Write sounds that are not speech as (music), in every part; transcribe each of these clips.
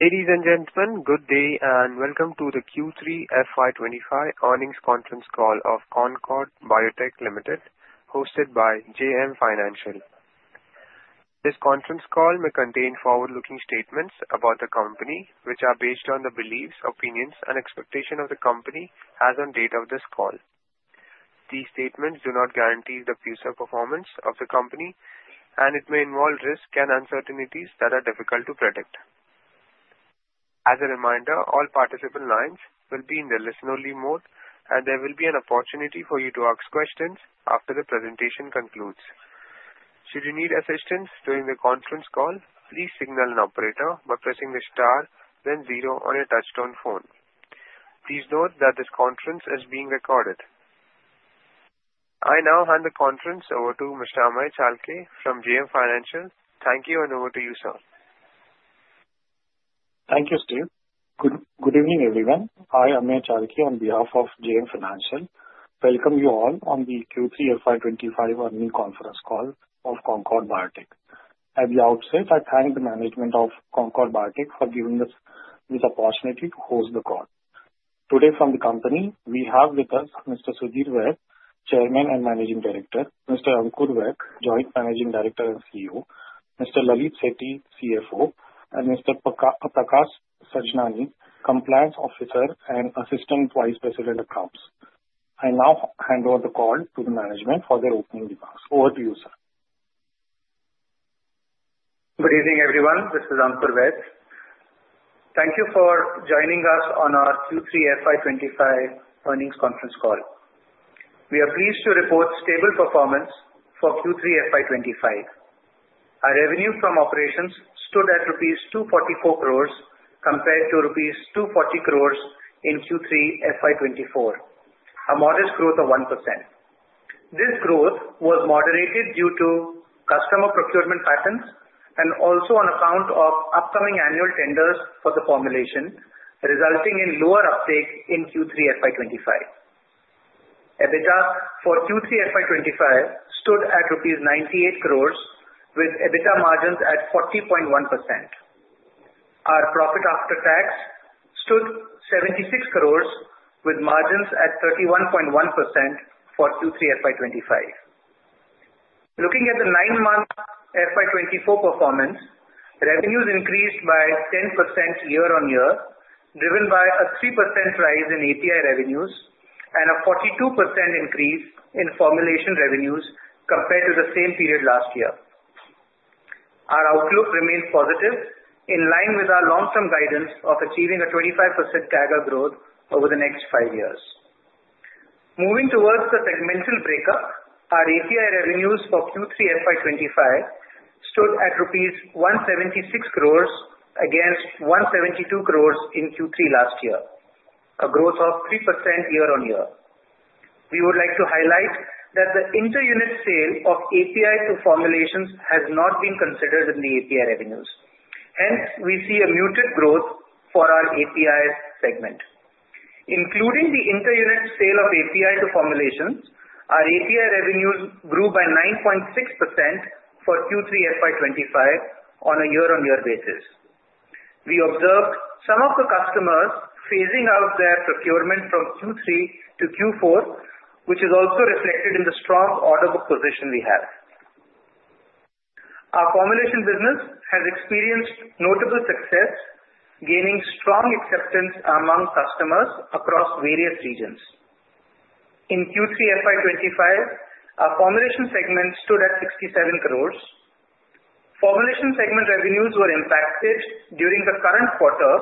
Ladies and gentlemen, good day and welcome to the Q3 FY 2025 Earnings Conference Call of Concord Biotech Limited, hosted by JM Financial. This conference call may contain forward-looking statements about the company, which are based on the beliefs, opinions, and expectations of the company as on date of this call. These statements do not guarantee the future performance of the company, and it may involve risks and uncertainties that are difficult to predict. As a reminder, all participant lines will be in the listen-only mode, and there will be an opportunity for you to ask questions after the presentation concludes. Should you need assistance during the conference call, please signal an operator by pressing the star, then zero on your touch-tone phone. Please note that this conference is being recorded. I now hand the conference over to Mr. Amay Chalke from JM Financial. Thank you, and over to you, sir. Thank you, Steve. Good good evening, everyone. I am Amay Chalke on behalf of JM Financial. Welcome you all on the Q3 FY25 Earnings Conference Call of Concord Biotech. At the outset, I thank the management of Concord Biotech for giving us this opportunity to host the call. Today, from the company, we have with us Mr. Sudhir Vaid, Chairman and Managing Director, Mr. Ankur Vaid, Joint Managing Director and CEO, Mr. Lalit Sethi, CFO, and Mr. Prakash Sajnani, Compliance Officer and Assistant Vice President of Accounts. I now hand over the call to the management for their opening remarks. Over to you, sir. Good evening, everyone. This is Ankur Vaid. Thank you for joining us on our Q3 FY25 Earnings Conference Call. We are pleased to report stable performance for Q3 FY25. Our revenue from operations stood at ₹244 crores compared to ₹240 crores in Q3 FY24, a modest growth of 1%. This growth was moderated due to customer procurement patterns and also on account of upcoming annual tenders for the formulation, resulting in lower uptake in Q3 FY25. EBITDA for Q3 FY25 stood at ₹98 crores, with EBITDA margins at 40.1%. Our profit after tax stood ₹76 crores, with margins at 31.1% for Q3 FY 2025. Looking at the nine-month FY 2024 performance, revenues increased by 10% year-on-year, driven by a 3% rise in API revenues and a 42% increase in formulation revenues compared to the same period last year. Our outlook remains positive, in line with our long-term guidance of achieving a 25% CAGR growth over the next five years. Moving towards the segmental breakup, our API revenues for Q3 FY 2025 stood at ₹176 crores against ₹172 crores in Q3 last year, a growth of 3% year-on-year. We would like to highlight that the inter-unit sale of API to formulations has not been considered in the API revenues. Hence, we see a muted growth for our API segment. Including the inter-unit sale of API to formulations, our API revenues grew by 9.6% for Q3 FY 2025 on a year-on-year basis. We observed some of the customers phasing out their procurement from Q3 to Q4, which is also reflected in the strong order book position we have. Our formulation business has experienced notable success, gaining strong acceptance among customers across various regions. In Q3 FY 2025, our formulation segment stood at ₹67 crores. Formulation segment revenues were impacted during the current quarter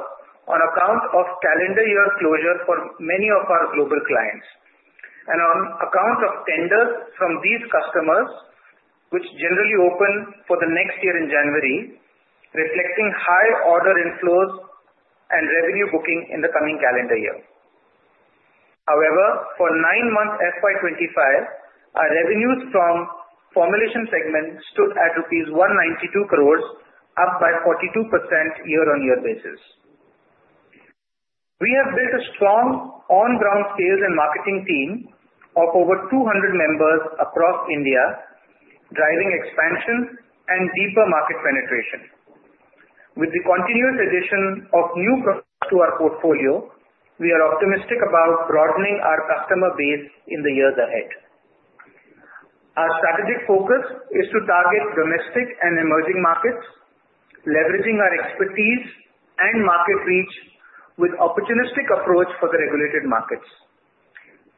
on account of calendar year closure for many of our global clients and on account of tenders from these customers, which generally open for the next year in January, reflecting high order inflows and revenue booking in the coming calendar year. However, for nine months FY 2025, our revenues from formulation segment stood at ₹192 crores, up by 42% year-on-year basis. We have built a strong on-ground sales and marketing team of over 200 members across India, driving expansion and deeper market penetration. With the continuous addition of new products to our portfolio, we are optimistic about broadening our customer base in the years ahead. Our strategic focus is to target domestic and emerging markets, leveraging our expertise and market reach with an opportunistic approach for the regulated markets.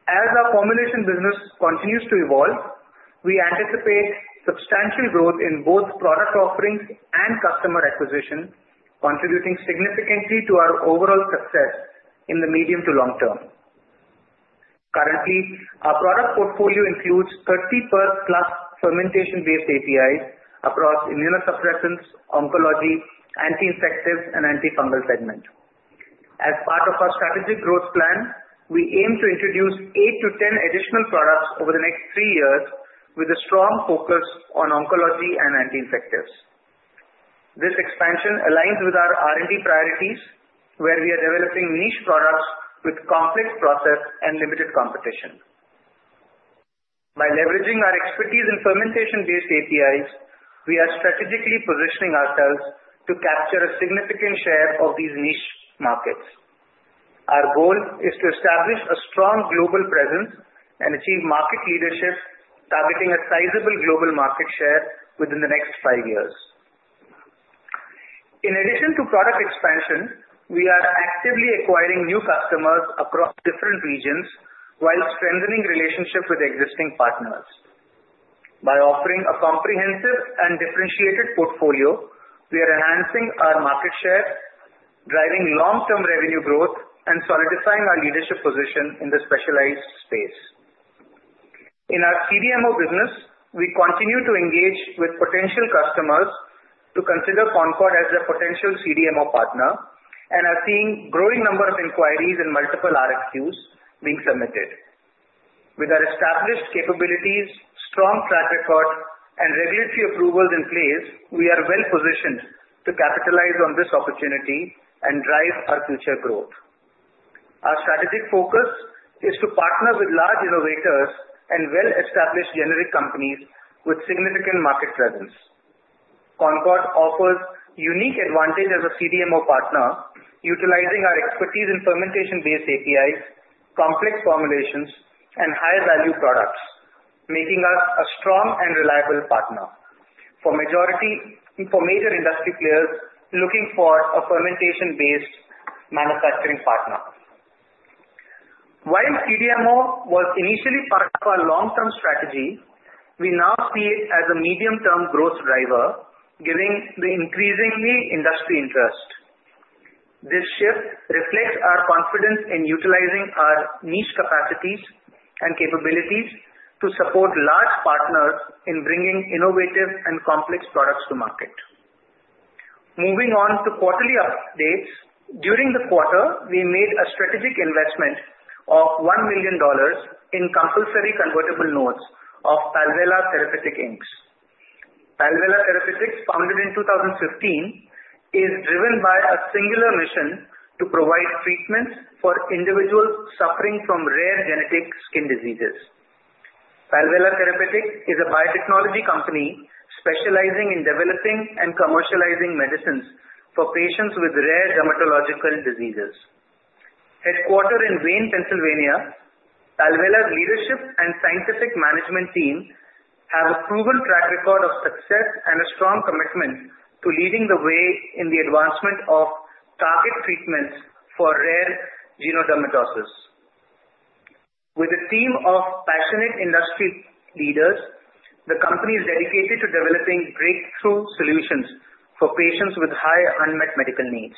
As our formulation business continues to evolve, we anticipate substantial growth in both product offerings and customer acquisition, contributing significantly to our overall success in the medium to long term. Currently, our product portfolio includes 30-plus Fermentation-based APIs across Immunosuppressants, Oncology, Anti-Infectives, and Antifungal segment. As part of our strategic growth plan, we aim to introduce 8-10 additional products over the next three years, with a strong focus on Oncology and Anti-Infectives. This expansion aligns with our R&D priorities, where we are developing niche products with complex processes and limited competition. By leveraging our expertise in Fermentation-based APIs, we are strategically positioning ourselves to capture a significant share of these niche markets. Our goal is to establish a strong global presence and achieve market leadership, targeting a sizable global market share within the next five years. In addition to product expansion, we are actively acquiring new customers across different regions while strengthening relationships with existing partners. By offering a comprehensive and differentiated portfolio, we are enhancing our market share, driving long-term revenue growth, and solidifying our leadership position in the specialized space. In our CDMO business, we continue to engage with potential customers to consider Concord as a potential CDMO partner, and are seeing a growing number of inquiries and multiple RFQs being submitted. With our established capabilities, strong track record, and regulatory approvals in place, we are well-positioned to capitalize on this opportunity and drive our future growth. Our strategic focus is to partner with large innovators and well-established generic companies with significant market presence. Concord offers a unique advantage as a CDMO partner, utilizing our expertise in Fermentation-based APIs, complex formulations, and high-value products, making us a strong and reliable partner for majority for major industry players looking for a fermentation-based manufacturing partner. While CDMO was initially part of our long-term strategy, we now see it as a medium-term growth driver, given the increasingly industry interest. This shift reflects our confidence in utilizing our niche capacities and capabilities to support large partners in bringing innovative and complex products to market. Moving on to quarterly updates, during the quarter, we made a strategic investment of $1 million in compulsory convertible notes of Alvela Therapeutics Inc. Alvela Therapeutics, founded in 2015, is driven by a singular mission to provide treatments for individuals suffering from rare genetic skin diseases. Alvela Therapeutics is a biotechnology company specializing in developing and commercializing medicines for patients with rare dermatological diseases. Headquartered in Wayne, Pennsylvania, Alvela's leadership and scientific management team have a proven track record of success and a strong commitment to leading the way in the advancement of target treatments for rare Genodermatosis. With a team of passionate industry leaders, the company is dedicated to developing breakthrough solutions for patients with high unmet medical needs.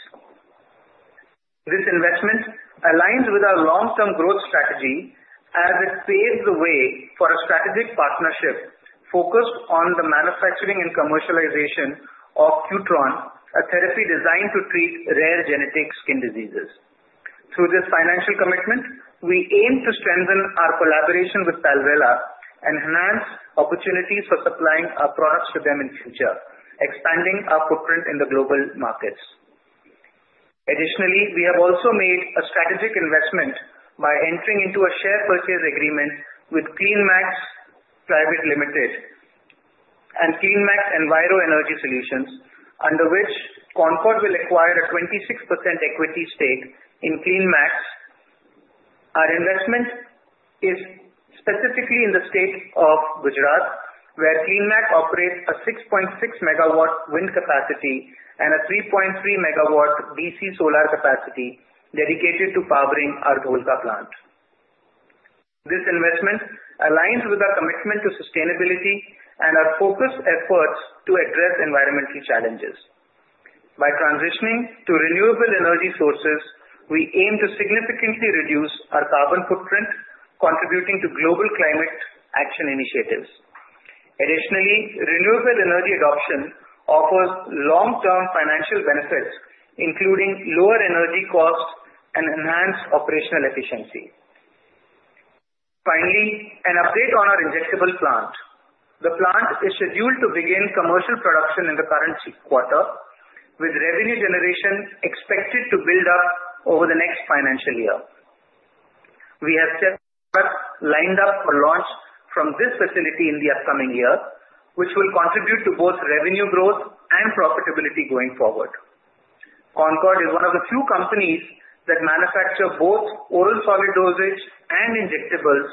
This investment aligns with our long-term growth strategy as it paves the way for a strategic partnership focused on the manufacturing and commercialization of Qutron, a therapy designed to treat rare genetic skin diseases. Through this financial commitment, we aim to strengthen our collaboration with Alvela and enhance opportunities for supplying our products to them in the future, expanding our footprint in the global markets. Additionally, we have also made a strategic investment by entering into a share purchase agreement with CleanMax Private Limited and CleanMax Enviro Energy Solutions, under which Concord will acquire a 26% equity stake in CleanMax. Our investment is specifically in the state of Gujarat, where CleanMax operates a 6.6 MW wind capacity and a 3.3 MW DC solar capacity dedicated to powering our Dholka plant. This investment aligns with our commitment to sustainability and our focused efforts to address environmental challenges. By transitioning to renewable energy sources, we aim to significantly reduce our carbon footprint, contributing to global climate action initiatives. Additionally, renewable energy adoption offers long-term financial benefits, including lower energy costs and enhanced operational efficiency. Finally, an update on our injectable plant. The plant is scheduled to begin commercial production in the current quarter, with revenue generation expected to build up over the next financial year. We have set up, lined up, or launched from this facility in the upcoming year, which will contribute to both revenue growth and profitability going forward. Concord is one of the few companies that manufacture both oral solid dosage and injectables,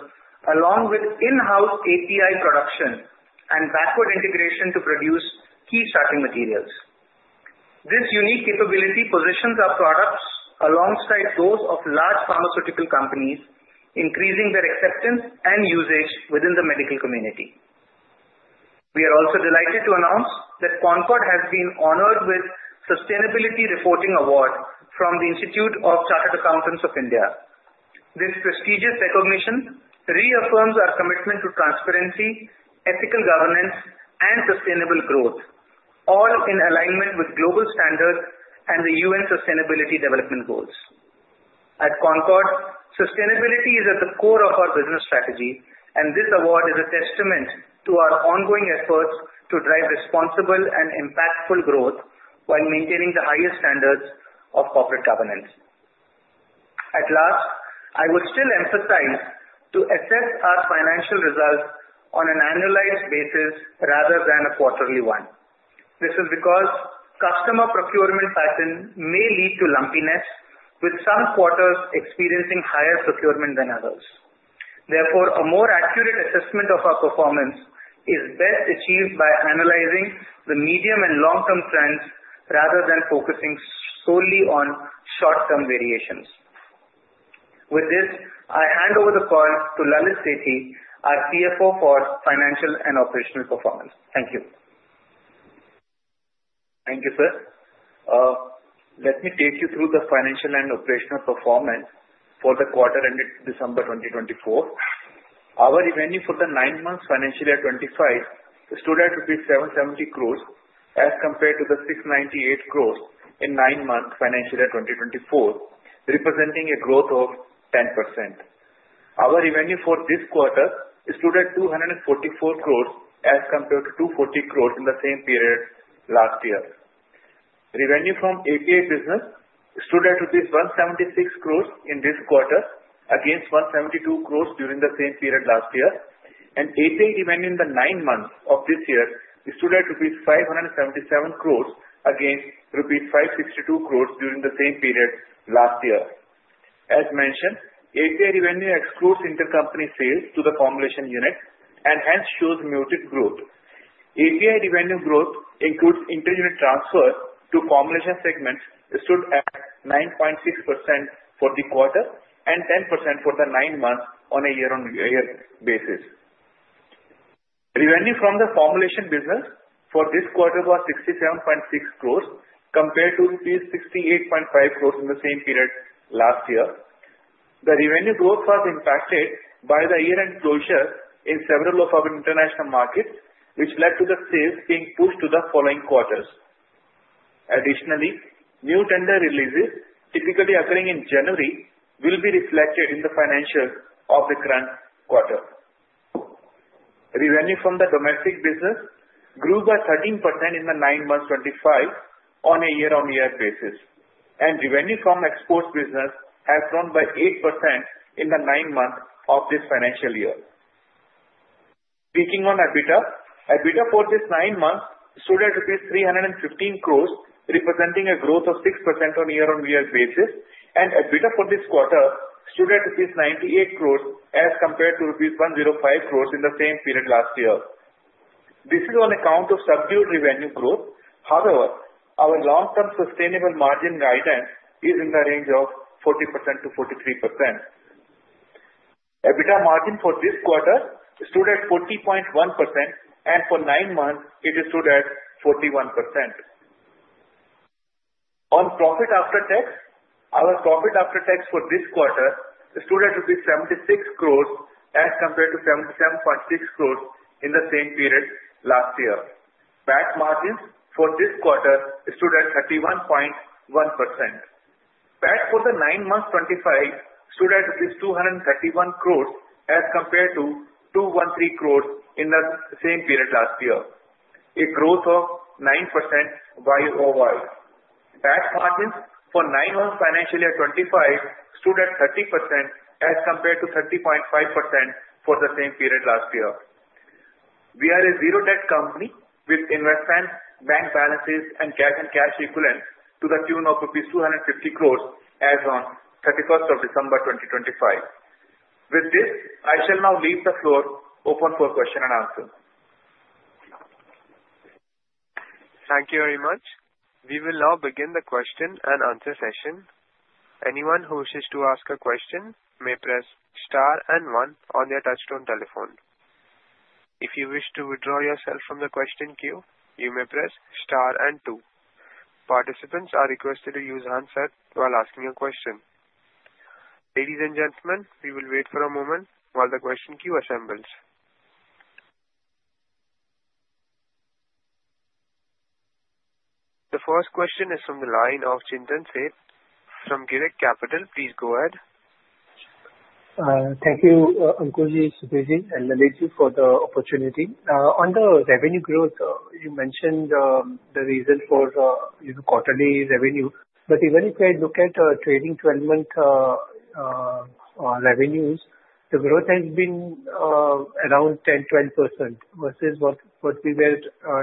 along with In-House API production and backward integration to produce key starting materials. This unique capability positions our products alongside those of large pharmaceutical companies, increasing their acceptance and usage within the medical community. We are also delighted to announce that Concord has been honored with the Sustainability Reporting Award from the Institute of Chartered Accountants of India. This prestigious recognition reaffirms our commitment to transparency, ethical governance, and sustainable growth, all in alignment with global standards and the UN Sustainable Development Goals. At Concord, sustainability is at the core of our business strategy, and this award is a testament to our ongoing efforts to drive responsible and impactful growth while maintaining the highest standards of corporate governance. At last, I would still emphasize to assess our financial results on an annualized basis rather than a quarterly one. This is because customer procurement patterns may lead to lumpiness, with some quarters experiencing higher procurement than others. Therefore, a more accurate assessment of our performance is best achieved by analyzing the medium and long-term trends rather than focusing solely on short-term variations. With this, I hand over the call to Lalit Sethi, our CFO, for financial and operational performance. Thank you. Thank you, sir. Let me take you through the financial and operational performance for the quarter ended December 2024. Our revenue for the nine-month financial year 2025 stood at ₹770 crores as compared to the ₹698 crores in nine-month financial year 2024, representing a growth of 10%. Our revenue for this quarter stood at ₹244 crores as compared to ₹240 crores in the same period last year. Revenue from API business stood at ₹176 crores in this quarter, against ₹172 crores during the same period last year. And API revenue in the nine months of this year stood at ₹577 crores, against ₹562 crores during the same period last year. As mentioned, API revenue excludes intercompany sales to the formulation unit and hence shows muted growth. API revenue growth includes inter-unit transfer to formulation segments stood at 9.6% for the quarter and 10% for the nine months on a year-on-year basis. Revenue from the formulation business for this quarter was 67.6 crores compared to rupees 68.5 crores in the same period last year. The revenue growth was impacted by the year-end closure in several of our international markets, which led to the sales being pushed to the following quarters. Additionally, new tender releases, typically occurring in January, will be reflected in the financials of the current quarter. Revenue from the domestic business grew by 13% in the nine months 2025 on a year-on-year basis, and revenue from exports business has grown by 8% in the nine months of this financial year. Speaking on EBITDA, EBITDA for this nine months stood at rupees 315 crores, representing a growth of 6% on a year-on-year basis, and EBITDA for this quarter stood at rupees 98 crores as compared to rupees 105 crores in the same period last year. This is on account of subdued revenue growth. However, our long-term sustainable margin guidance is in the range of 40%-43%. EBITDA margin for this quarter stood at 40.1%, and for nine months, it stood at 41%. On profit after tax, our profit after tax for this quarter stood at ₹76 crores as compared to ₹77.6 crores in the same period last year. PAT margins for this quarter stood at 31.1%. PAT for the nine months 2025 stood at ₹231 crores as compared to ₹213 crores in the same period last year, a growth of 9% year-over-year. PAT margins for nine months financial year 2025 stood at 30% as compared to 30.5% for the same period last year. We are a zero-debt company with investments, bank balances and cash equivalents to the tune of ₹250 crores as of 31st of December 2025. With this, I shall now leave the floor open for question and answer. Thank you very much. We will now begin the question and answer session. Anyone who wishes to ask a question may press star and one on their touch-tone telephone. If you wish to withdraw yourself from the question queue, you may press star and two. Participants are requested to use handset while asking a question. Ladies and gentlemen, we will wait for a moment while the question queue assembles. The first question is from the line of Chintan Sheth from Girik Capital. Please go ahead. Thank you, Ankur ji, Sethi ji and Lalit ji for the opportunity. On the revenue growth, you mentioned the reason for the quarterly revenue, but even if I look at trailing 12-month revenues, the growth has been around 10-12% versus what we were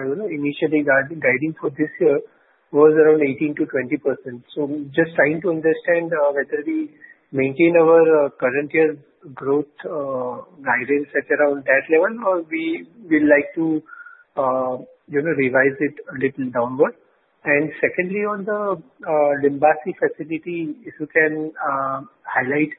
you know initially guiding for this year was around 18%-20%. So just trying to understand whether we maintain our current year's growth guidance at around that level or we would like to you know revise it a little downward. And secondly, on the Limbasi facility, if you can highlight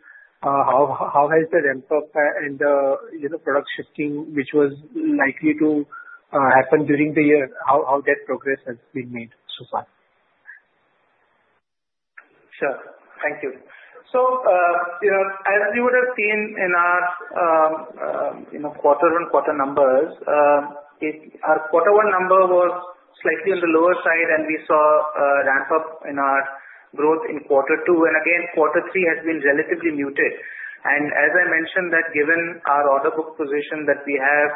how how has the ramp-up and the you know product shifting, which was likely to happen during the year, how how that progress has been made so far? Sure. Thank you. So you know as you would have seen in our quarter-on-quarter numbers, our quarter-one number was slightly on the lower side, and we saw a ramp-up in our growth in quarter two. And again, quarter three has been relatively muted. And as I mentioned, that given our order book position that we have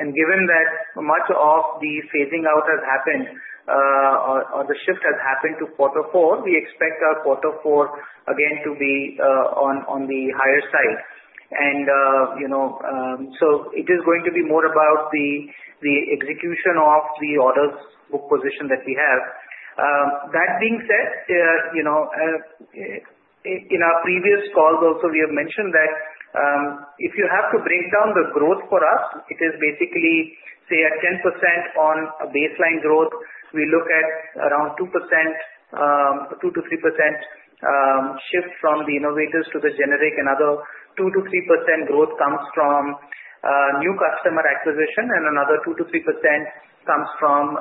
and given that so much of the phasing out has happened or the shift has happened to quarter four, we expect our quarter four again to be on the higher side. And you know so it is going to be more about the execution of the orders book position that we have. That being said, you know in our previous calls also, we have mentioned that if you have to break down the growth for us, it is basically, say, at 10% on a baseline growth. We look at around 2%, 2%-3% shift from the innovators to the generic, and other 2 to 3% growth comes from new customer acquisition, and another 2%-3% comes from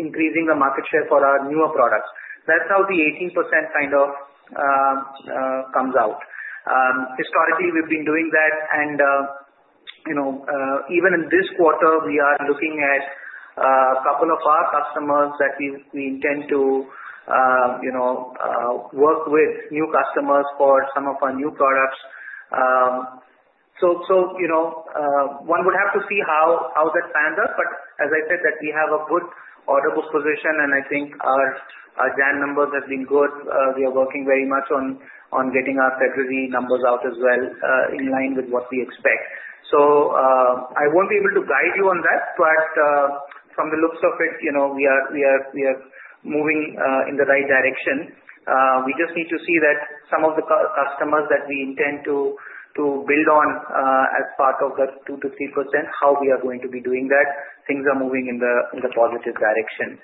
increasing the market share for our newer products. That's how the 18% kind of comes out. Historically, we've been doing that, and you know even in this quarter, we are looking at a couple of our customers that we intend to you know work with, new customers for some of our new products. So so you know one would have to see how how that pans out, but as I said, that we have a good order book position, and I think our January numbers have been good. We are working very much on getting our February numbers out as well in line with what we expect. So I won't be able to guide you on that, but from the looks of it, you know we are we are moving in the right direction. We just need to see that some of the customers that we intend to build on as part of that 2%-3%, how we are going to be doing that. Things are moving in the positive direction.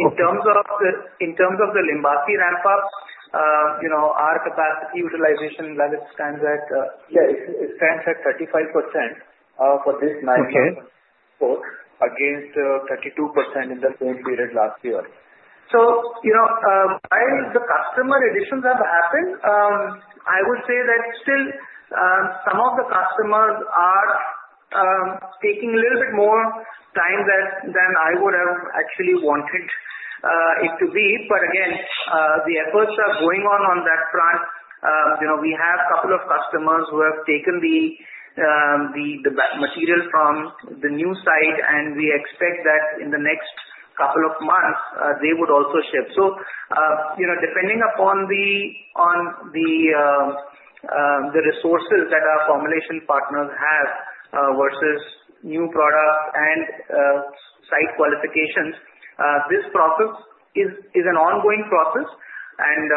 In terms of the in terms of Limbasi ramp-up, you know our capacity utilization, Lalit, stands at? Yes, it stands at 35% for this nine, (inaudible) against 32% in the same period last year. So you know I mean the customer additions have happened, I would say that still some of the customers are taking a little bit more time than than I would have actually wanted it to be. But again, the efforts are going on on that front. You know we have a couple of customers who have taken the the material from the new site, and we expect that in the next couple of months, they would also shift. So you know depending upon the on the resources that our formulation partners have versus new products and site qualifications, this process is an ongoing process, and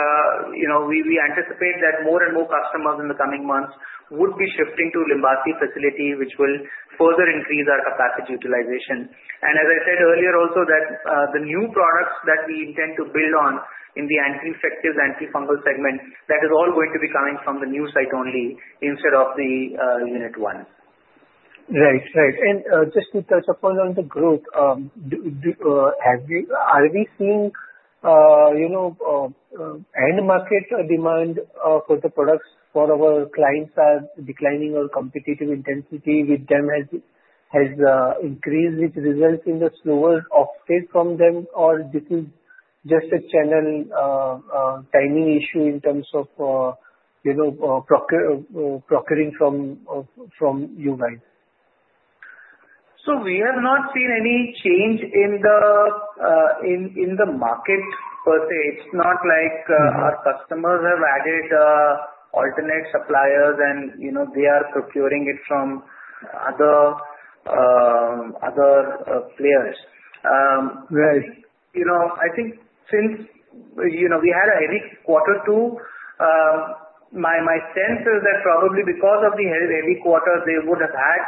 you know we anticipate that more and more customers in the coming months would be shifting to Limbasi facility, which will further increase our capacity utilization. And as I said earlier also, that the new products that we intend to build on in the Anti-Infective Antifungal segment, that is all going to be coming from the new site only instead of the Unit 1. Right. Right. And just to touch upon the growth, are we seeing you know end-market demand for the products for our clients declining or competitive intensity with them has increased, which results in the slower offtake from them, or this is just a channel timing issue in terms of you know procuring from you guys? So we have not seen any change in the in the market per se. It's not like our customers have added alternate suppliers, and you know they are procuring it from other other players. Well you know I think since you know we had a heavy quarter two, my my sense is that probably because of the heavy quarter, they would have had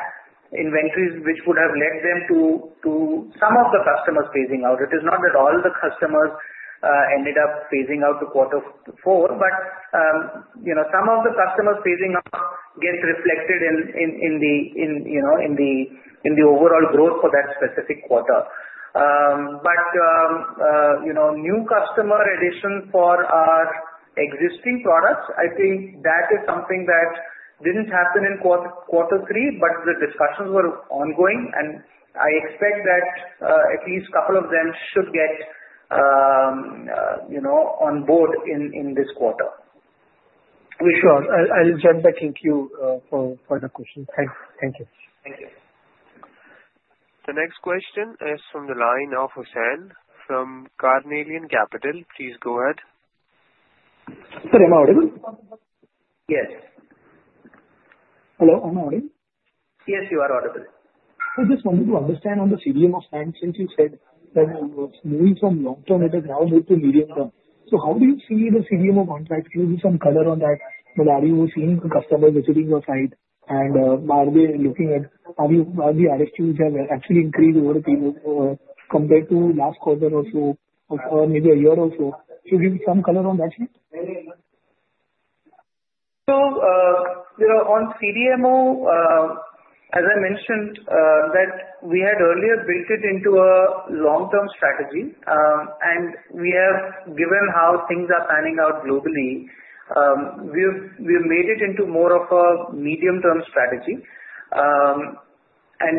inventories which would have led them to to some of the customers phasing out. It is not that all the customers ended up phasing out to quarter four, but you know some of the customers phasing out gets reflected in in the overall growth for that specific quarter. But you know new customer additions for our existing products, I think that is something that didn't happen in quarter three, but the discussions were ongoing, and I expect that at least a couple of them should get you know on board in this quarter. Sure. I'll just thank you for the question. Thanks. Thank you. The next question is from the line of Hussain from Carnelian Capital. Please go ahead. Sir, am I audible? Yes. Hello. Am I audible? Yes, you are audible. I just wanted to understand on the CDMO side, since you said that it was moving from long-term. It has now moved to medium-term. So how do you see the CDMO contracts? Can you give some color on that? Well are you seeing customers visiting your site, and are they looking at? Are the RFQs have actually increased over the period compared to last quarter or so, or maybe a year or so? Can you give some color on that, sir? So you know on CDMO, as I mentioned, that we had earlier built it into a long-term strategy, and we have, given how things are panning out globally, we have made it into more of a medium-term strategy. And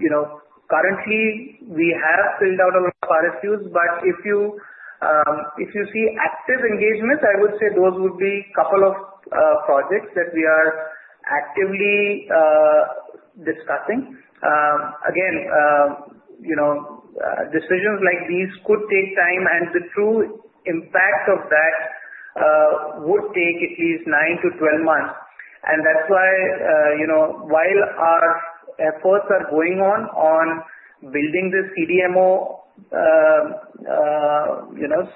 you know currently, we have filled out a lot of RFQs, but if you see active engagements, I would say those would be a couple of projects that we are actively discussing. Again, decisions like these could take time, and the true impact of that would take at least nine to 12 months. And that's why you know while our efforts are going on on building the CDMO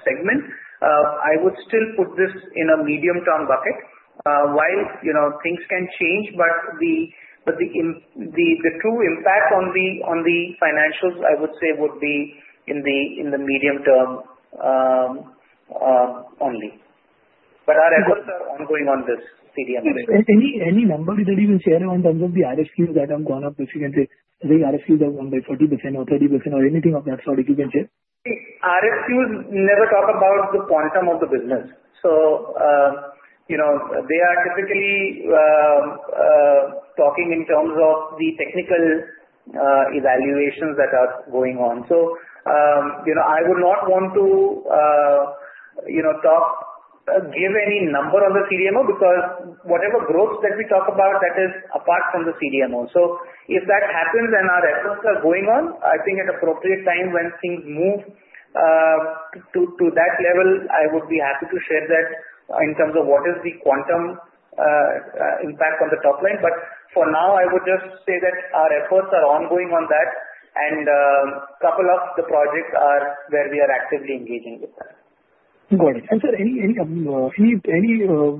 segment, I would still put this in a medium-term bucket while things can change, but the the true impact on the on the financials, I would say, would be in the medium-term only. But our efforts are ongoing on this CDMO. Any numbers that you can share in terms of the RFQs that have gone up significantly? I think RFQs have gone by 40% or 30% or anything of that sort. If you can share. The RFQs never talk about the quantum of the business. So you know they are typically talking in terms of the technical evaluations that are going on. So you know I would not want to you know give any number on the CDMO because whatever growth that we talk about, that is apart from the CDMO. So if that happens and our efforts are going on, I think at appropriate time when things move to that level, I would be happy to share that in terms of what is the quantum impact on the top line. But for now, I would just say that our efforts are ongoing on that, and a couple of the projects are where we are actively engaging with them. Got it. And sir, any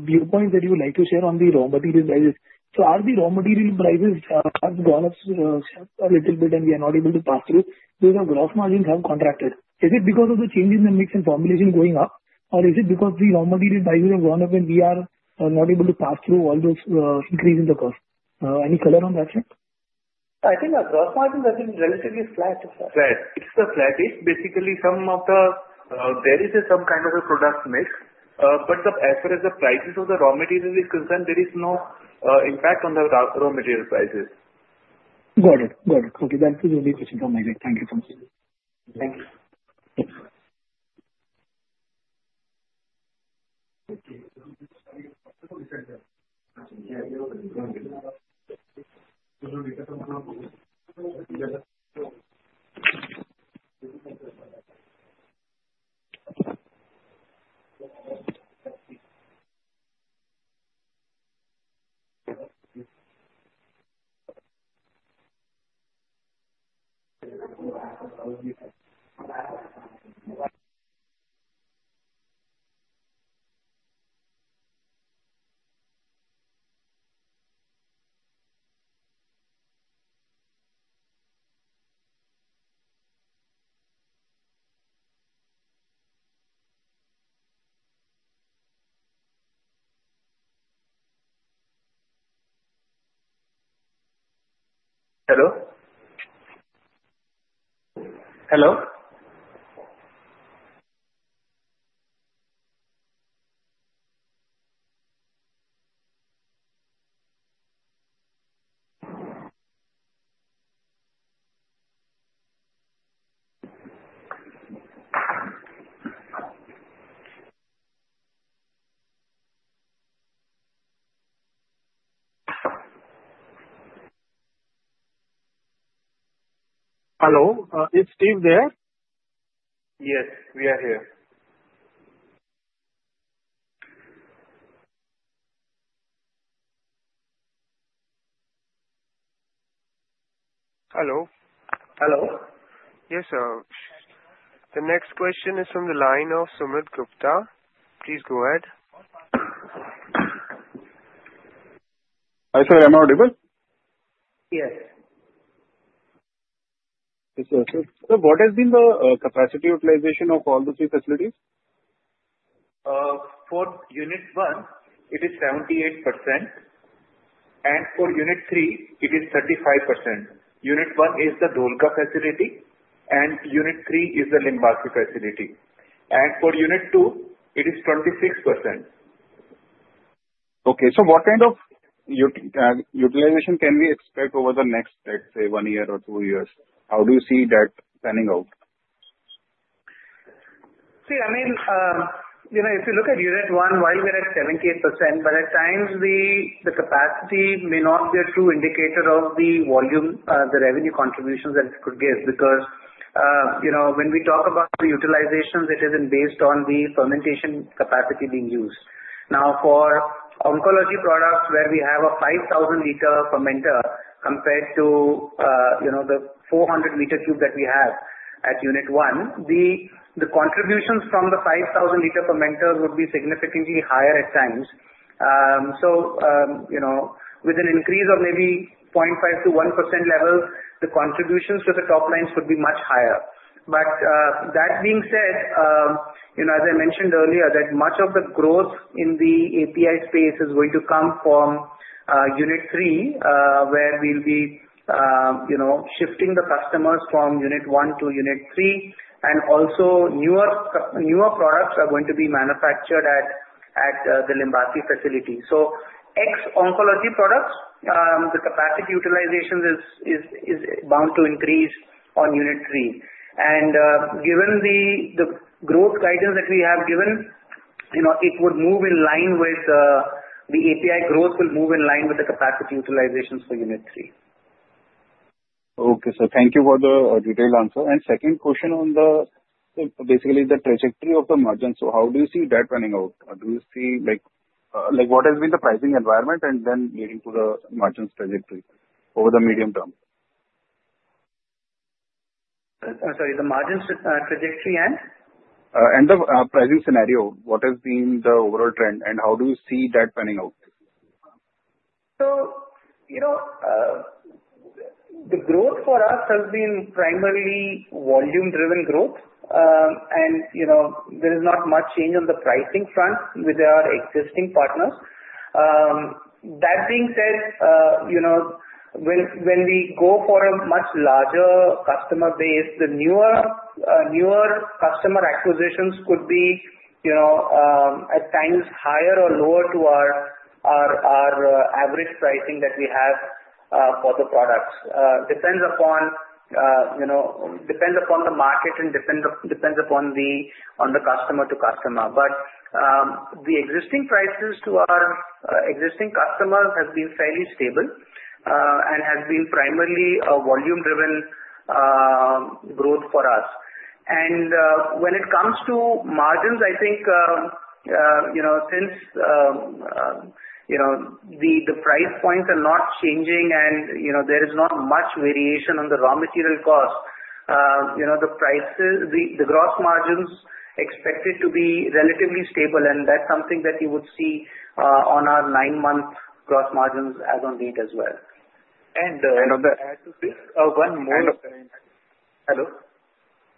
viewpoint that you would like to share on the raw material prices? So are the raw material prices have gone up a little bit, and we are not able to pass through? Because our gross margins have contracted. Is it because of the change in the mix and formulation going up, or is it because the raw material prices have gone up, and we are not able to pass through all those increase in the cost? Any color on that, sir? I think our gross margins have been relatively flat. (inaudible) Basically some of the there is some kind of a product mix, but as far as the prices of the raw material is concerned, there is no impact on the raw material prices. Got it. Got it. Okay. That was the only question from my side. Thank you so much. (audio distortion) Hello. Hello. Hello, is team there? Yes. We are here. The next question is from the line of Sumit Gupta. Please go ahead. Hi, sir. Am I audible? Yes. Ok, Sir. Sir, what has been the capacity utilization of all the three facilities? For unit one, it is 78%, and for unit three, it is 35%. Unit one is the Dholka facility, and unit three is the Limbasi facility. And for unit two, it is 26%. Okay. So what kind of utilization can we expect over the next, let's say, one year or two years? How do you see that panning out? See, I mean, you know if you look at unit one, while we're at 78%, but at times, the capacity may not be a true indicator of the volume, the revenue contributions that it could give because you know when we talk about the utilizations, it isn't based on the fermentation capacity being used. Now, for oncology products where we have a 5,000-liter fermenter compared to you know the 400-liter tube that we have at Unit 1, the contributions from the 5,000-liter fermenter would be significantly higher at times. So you know with an increase of maybe 0.5%-1% level, the contributions to the top lines could be much higher. But that being said, you know as I mentioned earlier, that much of the growth in the API space is going to come from Unit 3, where we'll be you know shifting the customers from Unit 1 to Unit 3, and also newer products are going to be manufactured at the Limbasi facility. So so ex-oncology products, the capacity utilization is bound to increase on Unit 3. And given the growth guidance that we have given, you know it would move in line with the API growth will move in line with the capacity utilizations for Unit 3. Okay Sir. Thank you for the detailed answer. And second question on the basically the trajectory of the margins. So how do you see that panning out? Do you see like like what has been the pricing environment and then leading to the margins trajectory over the medium term? I'm sorry. The margins trajectory and? And the pricing scenario. What has been the overall trend, and how do you see that panning out? So you know the growth for us has been primarily volume-driven growth, and you know there is not much change on the pricing front with our existing partners. That being said, you know when we go for a much larger customer base, the newer newer customer acquisitions could be you know at times higher or lower to our our average pricing that we have for the products. Depends upon you know depends upon the market and depends upon the customer-to-customer. But the existing prices to our existing customers have been fairly stable and have been primarily volume-driven growth for us. And when it comes to margins, I think you know since you know the price points are not changing and you know there is not much variation on the raw material cost, you know the prices the gross margins expected to be relatively stable, and that's something that you would see on our nine-month gross margins as on date as well. And you know, one more. Hello?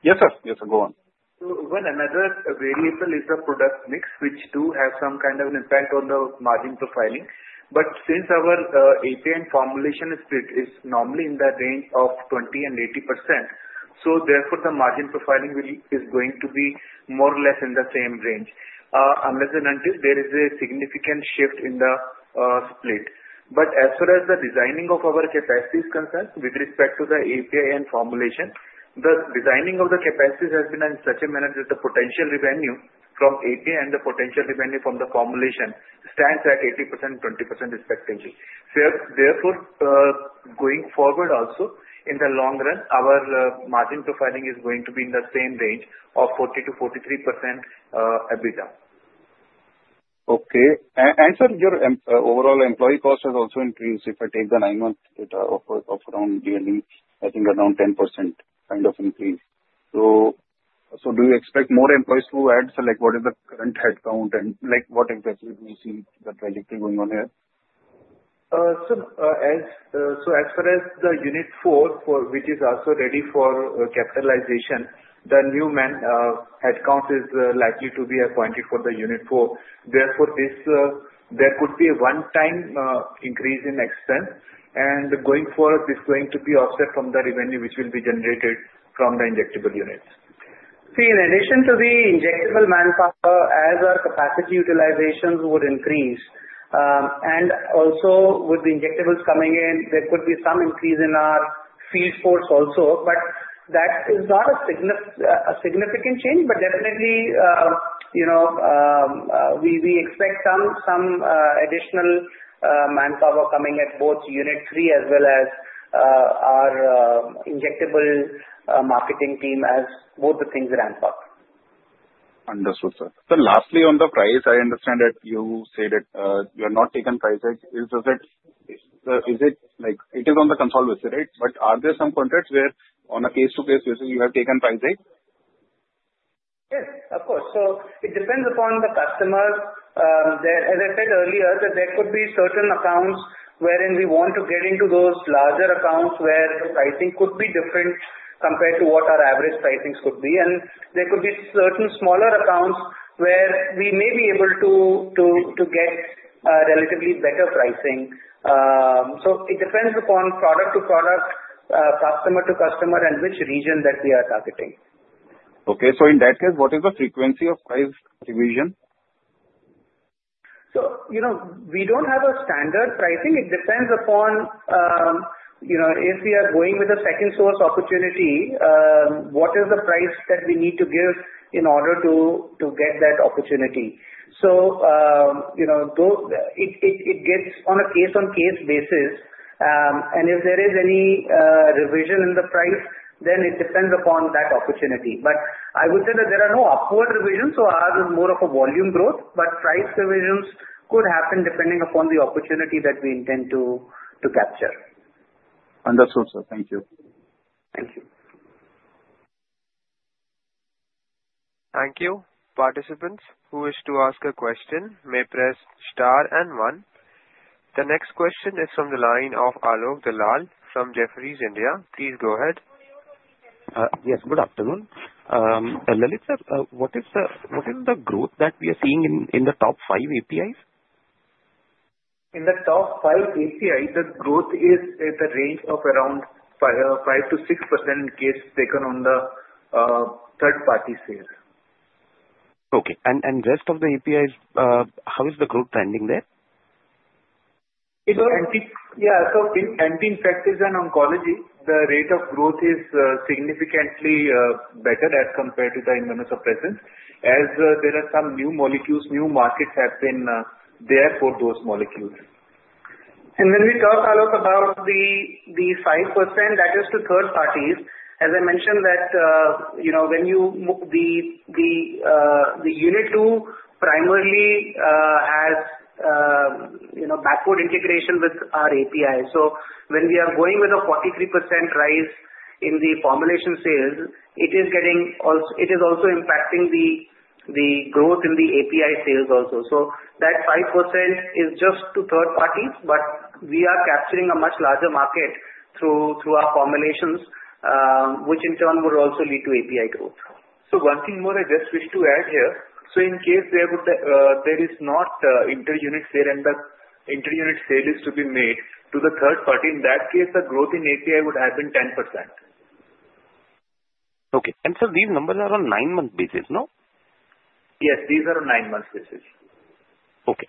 Yes, sir. Yes, sir. Go on. Well, another variable is the product mix, which too has some kind of an impact on the margin profiling. But since our API formulation is normally in the range of 20%-80%, so therefore the margin profiling is going to be more or less in the same range. Unless and until there is a significant shift in the split. But as far as the designing of our capacity is concerned, with respect to the API and formulation, the designing of the capacity has been in such a manner that the potential revenue from API and the potential revenue from the formulation stands at 80%, 20% respectively. Therefore, going forward also in the long run, our margin profiling is going to be in the same range of 40%-43% EBITDA. Okay. And sir, your overall employee cost has also increased if I take the nine-month data of around yearly, I think around 10% kind of increase. So do you expect more employees to add? So what is the current headcount, and like what exactly do you see the trajectory going on here? So as far as the unit four, for which is also ready for capitalization, the new headcount is likely to be appointed for the unit four. Therefore, there could be a one-time increase in expense, and going forward, it's going to be offset from the revenue which will be generated from the injectable units. See, in addition to the injectable manpower, as our capacity utilizations would increase, and also with the injectables coming in, there could be some increase in our field force also, but that is not a significant change. But definitely, you know we we expect some additional manpower coming at at both unit three as well as our injectable marketing team as both the things ramp up. Understood, sir. Lastly, on the price, I understand that you said that you have not taken price hedge. Is it like on the consolidated, right? But are there some contracts where on a case-by-case basis, you have taken price hedge? Yes, of course. So it depends upon the customer. As I said earlier, that there could be certain accounts wherein we want to get into those larger accounts where the pricing could be different compared to what our average pricings could be. And there could be certain smaller accounts where we may be able to to get relatively better pricing. So it depends upon product to product, customer to customer, and which region that we are targeting. Okay. So in that case, what is the frequency of price revision? So you know we don't have a standard pricing. It depends upon you know if we are going with a second source opportunity, what is the price that we need to give in order to to get that opportunity. So you know it it it gets on a case-by-case basis, and if there is any revision in the price, then it depends upon that opportunity. But I would say that there are no upward revisions, so ours is more of a volume growth, but price revisions could happen depending upon the opportunity that we intend to capture. Understood, sir. Thank you. Thank you. Thank you. Participants who wish to ask a question may press star and one. The next question is from the line of Alok Dalal from Jefferies India. Please go ahead. Yes. Good afternoon. Lalit sir, what is the growth that we are seeing in the top five APIs? In the top five APIs, the growth is at the range of around 5% to 6% in case taken on the third-party sales. Okay. And rest of the APIs, how is the growth trending there?. Yeah. So in Anti-Infectives and Oncology, the rate of growth is significantly better as compared to the Immunosuppressants as there are some new molecules. New markets have been there for those molecules. And when we talk, Alok, about the 5%, that is to third parties. As I mentioned that you know when you the the Unit 2 primarily has you know backward integration with our API. So when we are going with a 43% rise in the formulations sales, it is getting it is also impacting the growth in the API sales also. So that 5% is just to third parties, but we are capturing a much larger market through through our formulations, which in turn would also lead to API growth. So one thing more I just wish to add here. So in case there is not inter-unit sale and the inter-unit sale is to be made to the third party, in that case, the growth in API would have been 10%. Okay. And sir, these numbers are on nine-month basis, no? Yes. These are on nine-month basis. Okay.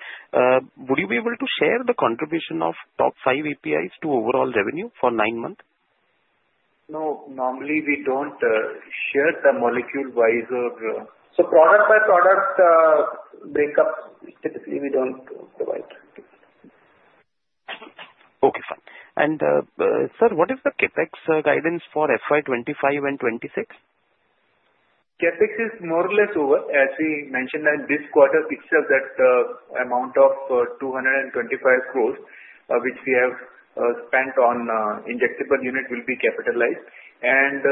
Would you be able to share the contribution of top five APIs to overall revenue for nine months? No. Normally, we don't share the molecule-wise or so product-by-product breakup, typically, we don't provide. Okay. Fine. And sir, what is the CapEx guidance for FY 2025 and 2026? CapEx is more or less over. As we mentioned that this quarter picks up that amount of 225 crores which we have spent on injectable unit will be capitalized. And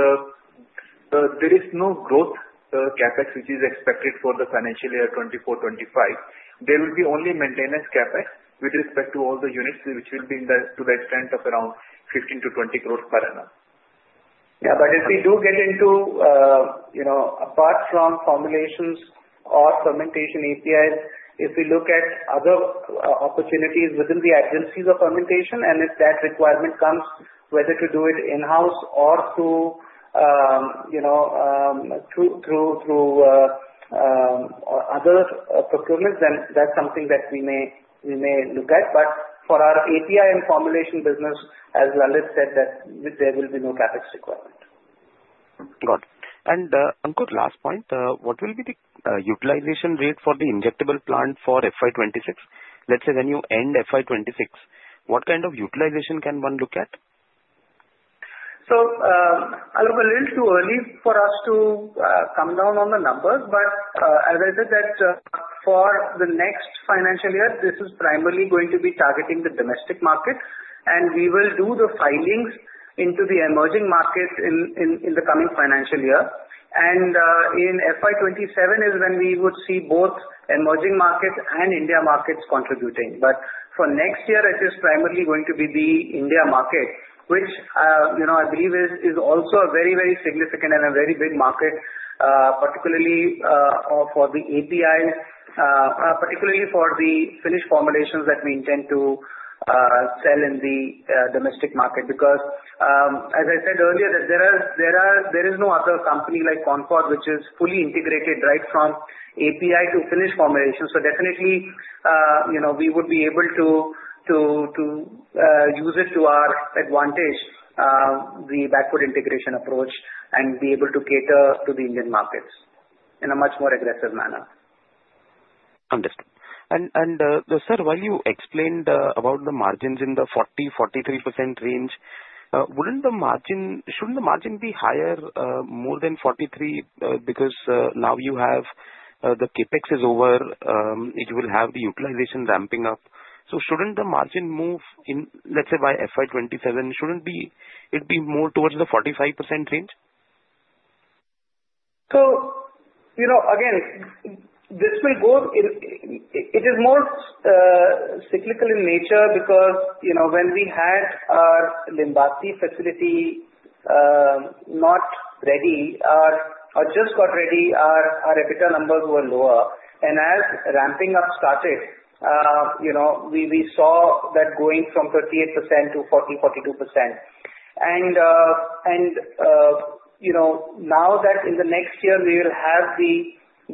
there is no growth CapEx which is expected for the financial year 2024-2025. There will be only maintenance CapEx with respect to all the units which will be to the extent of around 15-20 crores per annum. Yeah. But if we do get into, you know apart from Formulations or Fermentation APIs, if we look at other opportunities within the areas of fermentation, and if that requirement comes, whether to do it in-house or through you know through through other procurements, then that's something that we may we may look at. But for our API and Formulation business, as Lalit said, there will be no CapEx requirement. Got it. And Ankur, last point, what will be the utilization rate for the injectable plant for FY 26? Let's say when you end FY 26, what kind of utilization can one look at? So Alok, a little too early for us to come down on the numbers, but as I said that, for the next financial year, this is primarily going to be targeting the domestic market, and we will do the filings into the emerging markets in the coming financial year. And in FY 2027 is when we would see both emerging markets and India markets contributing. But for next year, it is primarily going to be the India market, which you know I believe is also a very, very significant and a very big market, particularly for the APIs, particularly for the finished formulations that we intend to sell in the domestic market. Because as I said earlier, there are there is no other company like Concord which is fully integrated right from API to finished formulation. So definitely, you know we would be able to to use it to our advantage, the backward integration approach, and be able to cater to the Indian markets in a much more aggressive manner. Understood. And and sir, while you explained about the margins in the 40%-43% range, wouldn't the margin shouldn't the margin be higher, more than 43%? Because now you have the CapEx is over, you will have the utilization ramping up. So shouldn't the margin move, let's say by FY 2027, shouldn't it be more towards the 45% range? So you know again, this will go it is more cyclical in nature because you know when we had our Limbasi facility not ready or just got ready, our EBITDA numbers were lower. And as ramping up started, you know we we saw that going from 38% to 40%-42%. And and you know now that in the next year we will have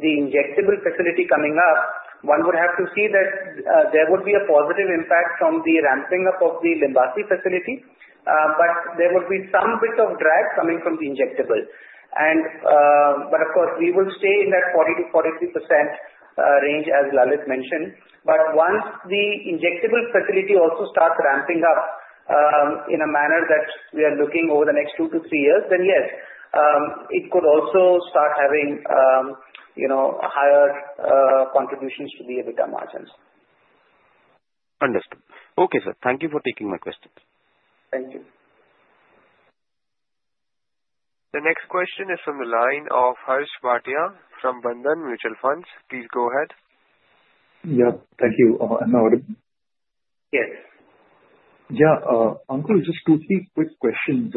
the injectable facility coming up, one would have to see that there would be a positive impact from the ramping up of the Limbasi facility, but there would be some bit of drag coming from the injectable. And but of course, we will stay in that 40%-43% range as Lalit mentioned. But once the injectable facility also starts ramping up in a manner that we are looking over the next two to three years, then yes, it could also start having you know higher contributions to the EBITDA margins. Understood. Okay, sir. Thank you for taking my questions. Thank you. The next question is from the line of Harsh Bhatia from Bandhan Mutual Funds. Please go ahead. Yeah. Thank you. Am I audible? Yes. Yeah. Ankur, just two three quick questions.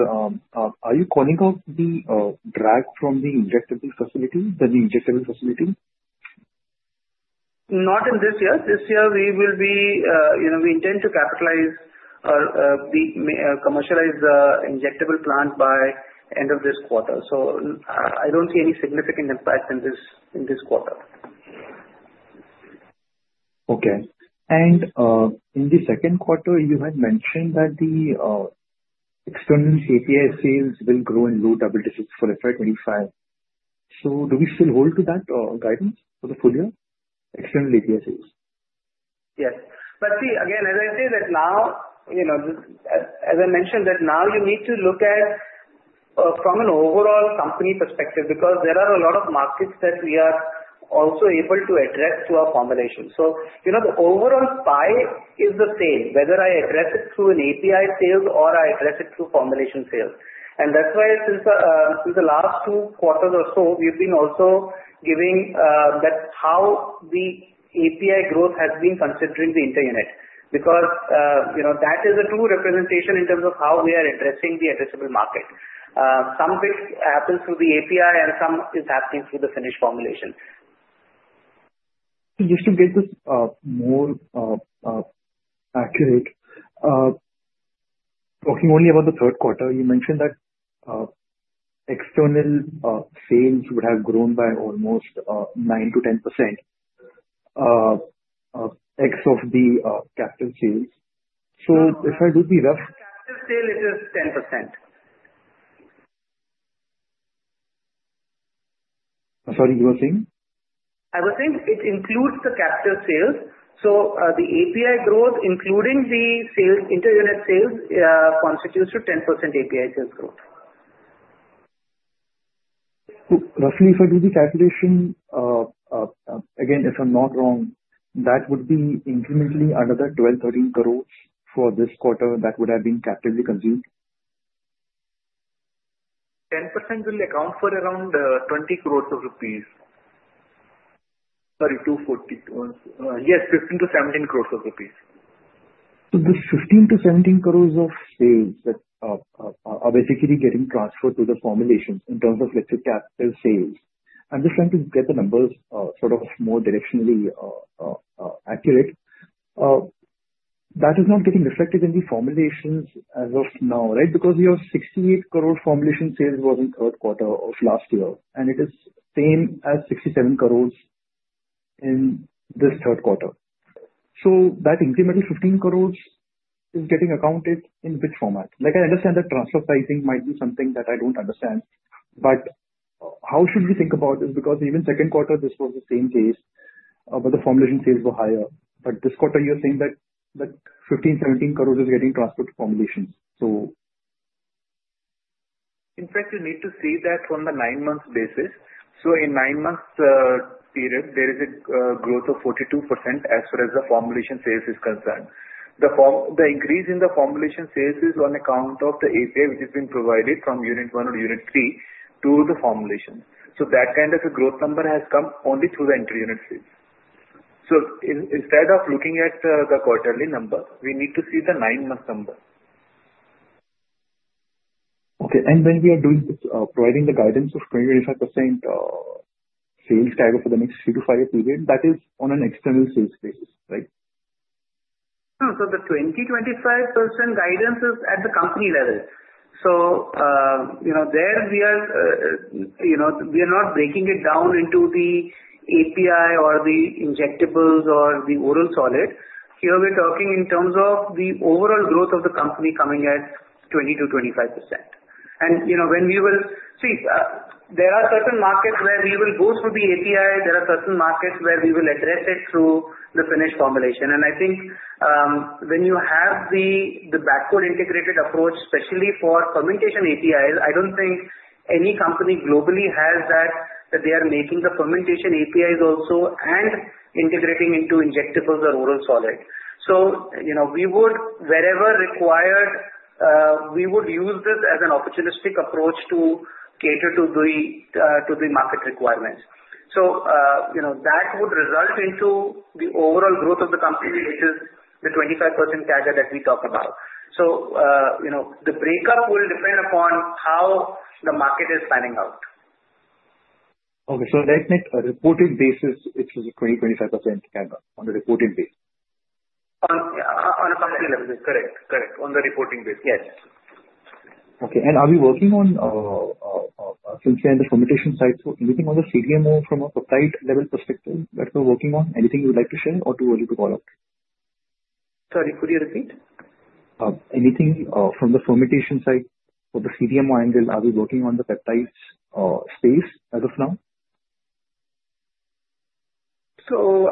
Are you calling out the drag from the injectable facility, the new injectable facility? Not in this year. This year, we will be you know we intend to capitalize the commercialize the injectable plant by end of this quarter. So I don't see any significant impact in this in this quarter. Okay. And in the Q2, you had mentioned that the External API sales will grow in low double digits for FY 2025. So do we still hold to that guidance for the full year, External API sales? Yes. But see, again, as I say that now you know as I mentioned that now you need to look at from an overall company perspective because there are a lot of markets that we are also able to address through our formulation. So you know the overall pie is the same, whether I address it through an API sales or I address it through Formulation sales. That's why since the last two quarters or so, we've been also giving that how the API growth has been considering the inter-unit. Because that is a true representation in terms of how we are addressing the addressable market. Some bit happens through the API and some is happening through the finished formulation. Just to get this more accurate, talking only about the Q3 you mentioned that external sales would have grown by almost 9% to 10% x of the captive sales. So if I do the rough... Captive sale, is at 10%. Sorry, you were saying? I was saying it includes the captive sales. So the API growth, including the sales inter-unit sales, constitutes to 10% API sales growth. Roughly, if I do the calculation, again, if I'm not wrong, that would be incrementally another 12-13 crores for this quarter that would have been captively consumed? 10% will account for around 20 crores of rupees. Sorry, 240. Yes, 15-17 crores of rupees. So the 15-17 crores of sales that are basically getting transferred to the formulations in terms of, let's say, capital sales. I'm just trying to get the numbers sort of more directionally accurate. That is not getting reflected in the formulations as of now, right? Because your 68-crore formulation sales was in Q3 of last year, and it is same as 67 crores in this Q3. So that incremental 15 crores is getting accounted in which format? Like I understand that transfer pricing might be something that I don't understand, but how should we think about this? Because even Q2, this was the same case, but the formulation sales were higher. But this quarter, you're saying that 15-17 crores is getting transferred to formulations, so. In fact, you need to see that from the nine-month basis. So in nine-month period, there is a growth of 42% as far as the formulation sales is concerned. The increase in the formulation sales is on account of the API which has been provided from unit one or unit three to the formulation. So that kind of a growth number has come only through the inter-unit sales. So instead of looking at the quarterly number, we need to see the nine-month number. Okay. And when we are providing the guidance of 20%-25% sales target for the next three to five year period, that is on an external sales basis, right? No. So the 20%-25% guidance is at the company level. So you know there we are you know we are not breaking it down into the API or the injectables or the oral solid. Here we're talking in terms of the overall growth of the company coming at 20%-25%. And you know when we will see, there are certain markets where we will go through the API. There are certain markets where we will address it through the finished formulation. And I think when you have the backward integrated approach, especially for Fermentation APIs, I don't think any company globally has that they are making the Fermentation APIs also and integrating into injectables or oral solid. So you know wherever required, we would use this as an opportunistic approach to cater to the market requirements. So you know that would result into the overall growth of the company, which is the 25% target that we talk about. So you know the breakup will depend upon how the market is panning out. Okay. So, that means on a reported basis, it's a 20%-25% target on a reported basis. On a company level, correct. Correct. On the reporting basis. Yes. Okay. And are we working on, since we're in the Fermentation side, so anything on the CDMO from a peptide level perspective that we're working on? Anything you would like to share or to early to call out? Sorry, could you repeat? Anything from the Fermentation side for the CDMO angle, are we working on the peptides space as of now? So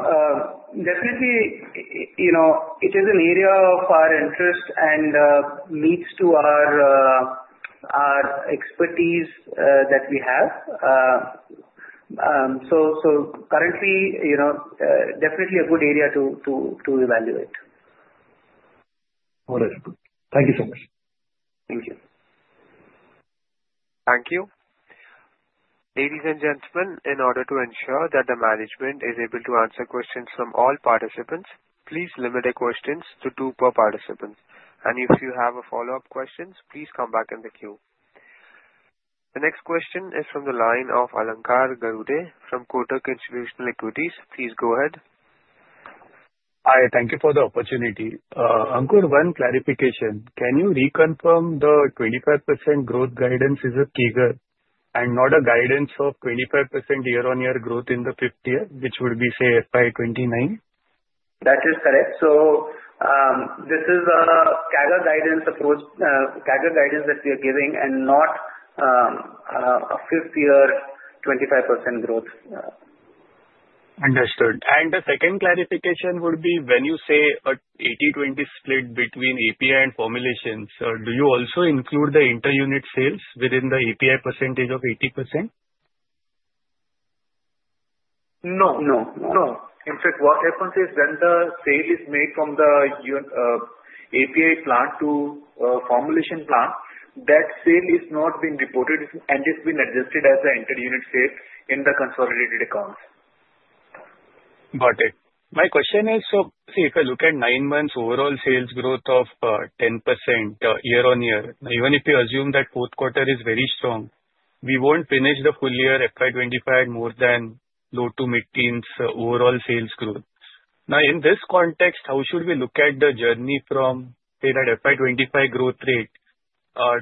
definitely, it is an area of our interest and meets to our our expertise that we have. So so currently, you kow definitely a good area to to evaluate. All right. Thank you so much. Thank you. Thank you. Ladies and gentlemen, in order to ensure that the management is able to answer questions from all participants, please limit the questions to two per participant. And if you have a follow-up question, please come back in the queue. The next question is from the line of Alankar Garude from Kotak Institutional Equities. Please go ahead. Hi. Thank you for the opportunity. Ankur, one clarification. Can you reconfirm the 25% growth guidance is a CAGR and not a guidance of 25% year-on-year growth in the fifth year, which would be, say, FY 2029? That is correct. So this is a CAGR guidance approach, CAGR guidance that we are giving and not a fifth-year 25% growth. Understood. And the second clarification would be when you say a 80/20 split between API and Formulations, so do you also include the inter-unit sales within the API percentage of 80%? No. No. No. In fact, what happens is when the sale is made from the API plant to Formulation plant, that sale is not being reported and it's been adjusted as an inter-unit sale in the consolidated accounts. Got it. My question is, so see, if I look at nine months overall sales growth of 10% year-on-year, even if you assume that Q4 is very strong, we won't finish the full year FY 2025 more than low to mid-teens overall sales growth. Now, in this context, how should we look at the journey from, say, that FY 2025 growth rate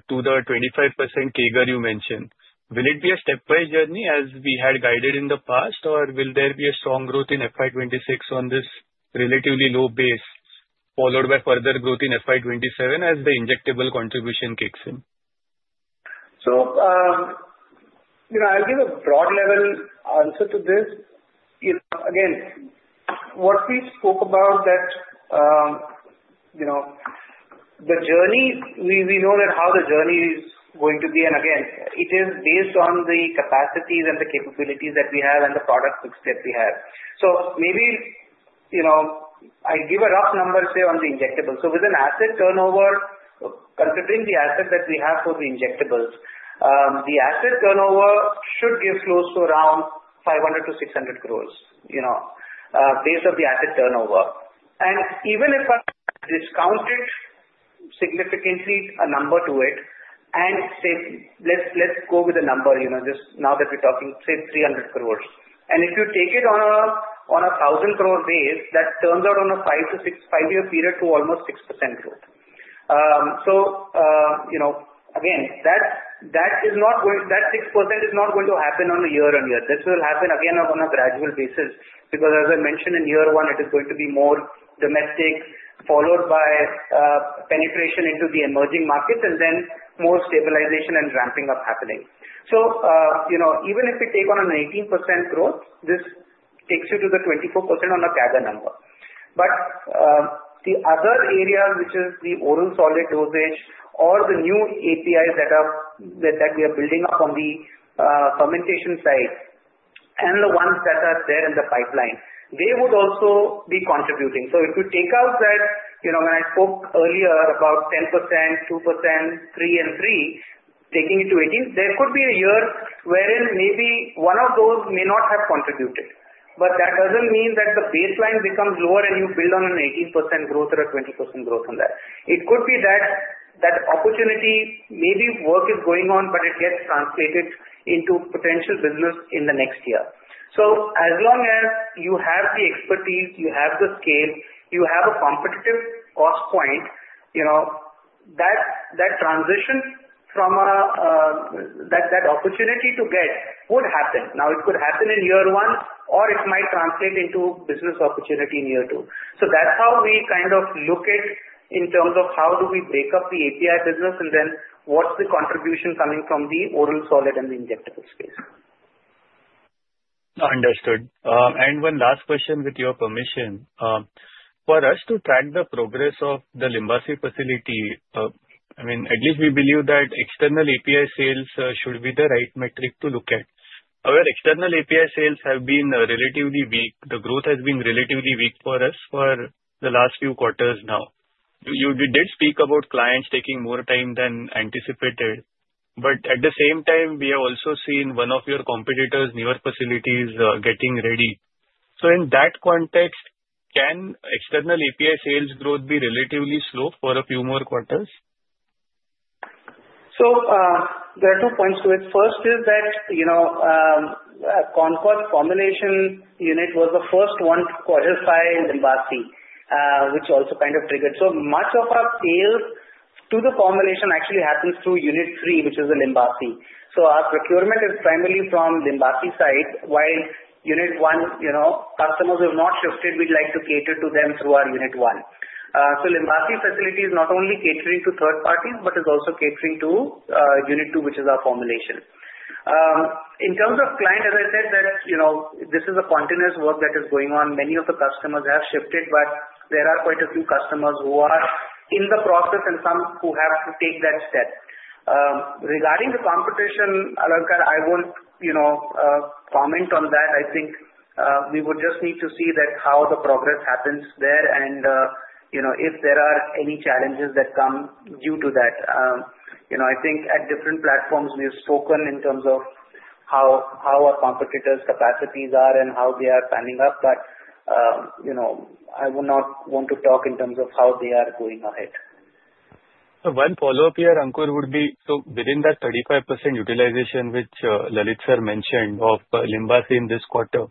to the 25% CAGR you mentioned? Will it be a stepwise journey as we had guided in the past, or will there be a strong growth in FY 2026 on this relatively low base, followed by further growth in FY 2027 as the injectable contribution kicks in? So you know I'll give a broad level answer to this. Again, what we spoke about, that you know the journey, we know that how the journey is going to be. And again, it is based on the capacities and the capabilities that we have and the product mix that we have. So maybe you know I give a rough number, say, on the injectables. So with an asset turnover, considering the asset that we have for the injectables, the asset turnover should give close to around 500-600 crores you know based on the asset turnover. And even if I discounted significantly a number to it and say, let's go with a number, you know just now that we're talking, say, 300 crores. And if you take it on an 1,000-crore base, that turns out on a five-year period to almost 6% growth. So you know again, that 6% is not going to happen on a year-on-year. This will happen again on a gradual basis because, because as I mentioned, in year one, it is going to be more domestic, followed by penetration into the emerging markets, and then more stabilization and ramping up happening. So you know even if we take on an 19% growth, this takes you to the 24% on a CAGR number. But the other area, which is the oral solid dosage or the new APIs that are that we are building up on the fermentation side and the ones that are there in the pipeline, they would also be contributing. So if you take out that you know when I spoke earlier about 10%, 2%, 3, and 3, taking it to 18, there could be a year wherein maybe one of those may not have contributed. But that doesn't mean that the baseline becomes lower and you build on an 18% growth or a 20% growth on that. It could be that opportunity, maybe work is going on, but it gets translated into potential business in the next year. So as long as you have the expertise, you have the scale, you have a competitive cost point, you know that that transition from that opportunity to get would happen. Now, it could happen in year one, or it might translate into business opportunity in year two. So that's how we kind of look at in terms of how do we break up the API business, and then what's the contribution coming from the oral solid and the injectable space. Understood. And one last question with your permission. For us to track the progress of the Limbasi facility, I mean, at least we believe that External API sales should be the right metric to look at. Our External API sales have been relatively weak. The growth has been relatively weak for us for the last few quarters now. We did speak about clients taking more time than anticipated. But at the same time, we have also seen one of your competitors, Neor Facilities, getting ready. So in that context, can External API sales growth be relatively slow for a few more quarters? So there are two points to it. First is that you know Concord Formulation Unit was the first one to qualify Limbasi, which also kind of triggered. So much of our sales to the formulation actually happens through unit three, which is the Limbasi. So our procurement is primarily from Limbasi side, while unit one, you know customers have not shifted. We'd like to cater to them through our unit one. So Limbasi facility is not only catering to third parties, but is also catering to unit two, which is our formulation. In terms of client, as I said, that this is a continuous work that is going on. Many of the customers have shifted, but there are quite a few customers who are in the process and some who have to take that step. Regarding the competition, Alankar, I won't you know comment on that. I think we would just need to see that how the progress happens there and you know if there are any challenges that come due to that. You kow I think at different platforms, we have spoken in terms of how our competitors' capacities are and how they are panning out, but you know I would not want to talk in terms of how they are going ahead. One follow-up here, Ankur, would be so within that 35% utilization, which Lalit sir mentioned of Limbasi in this quarter,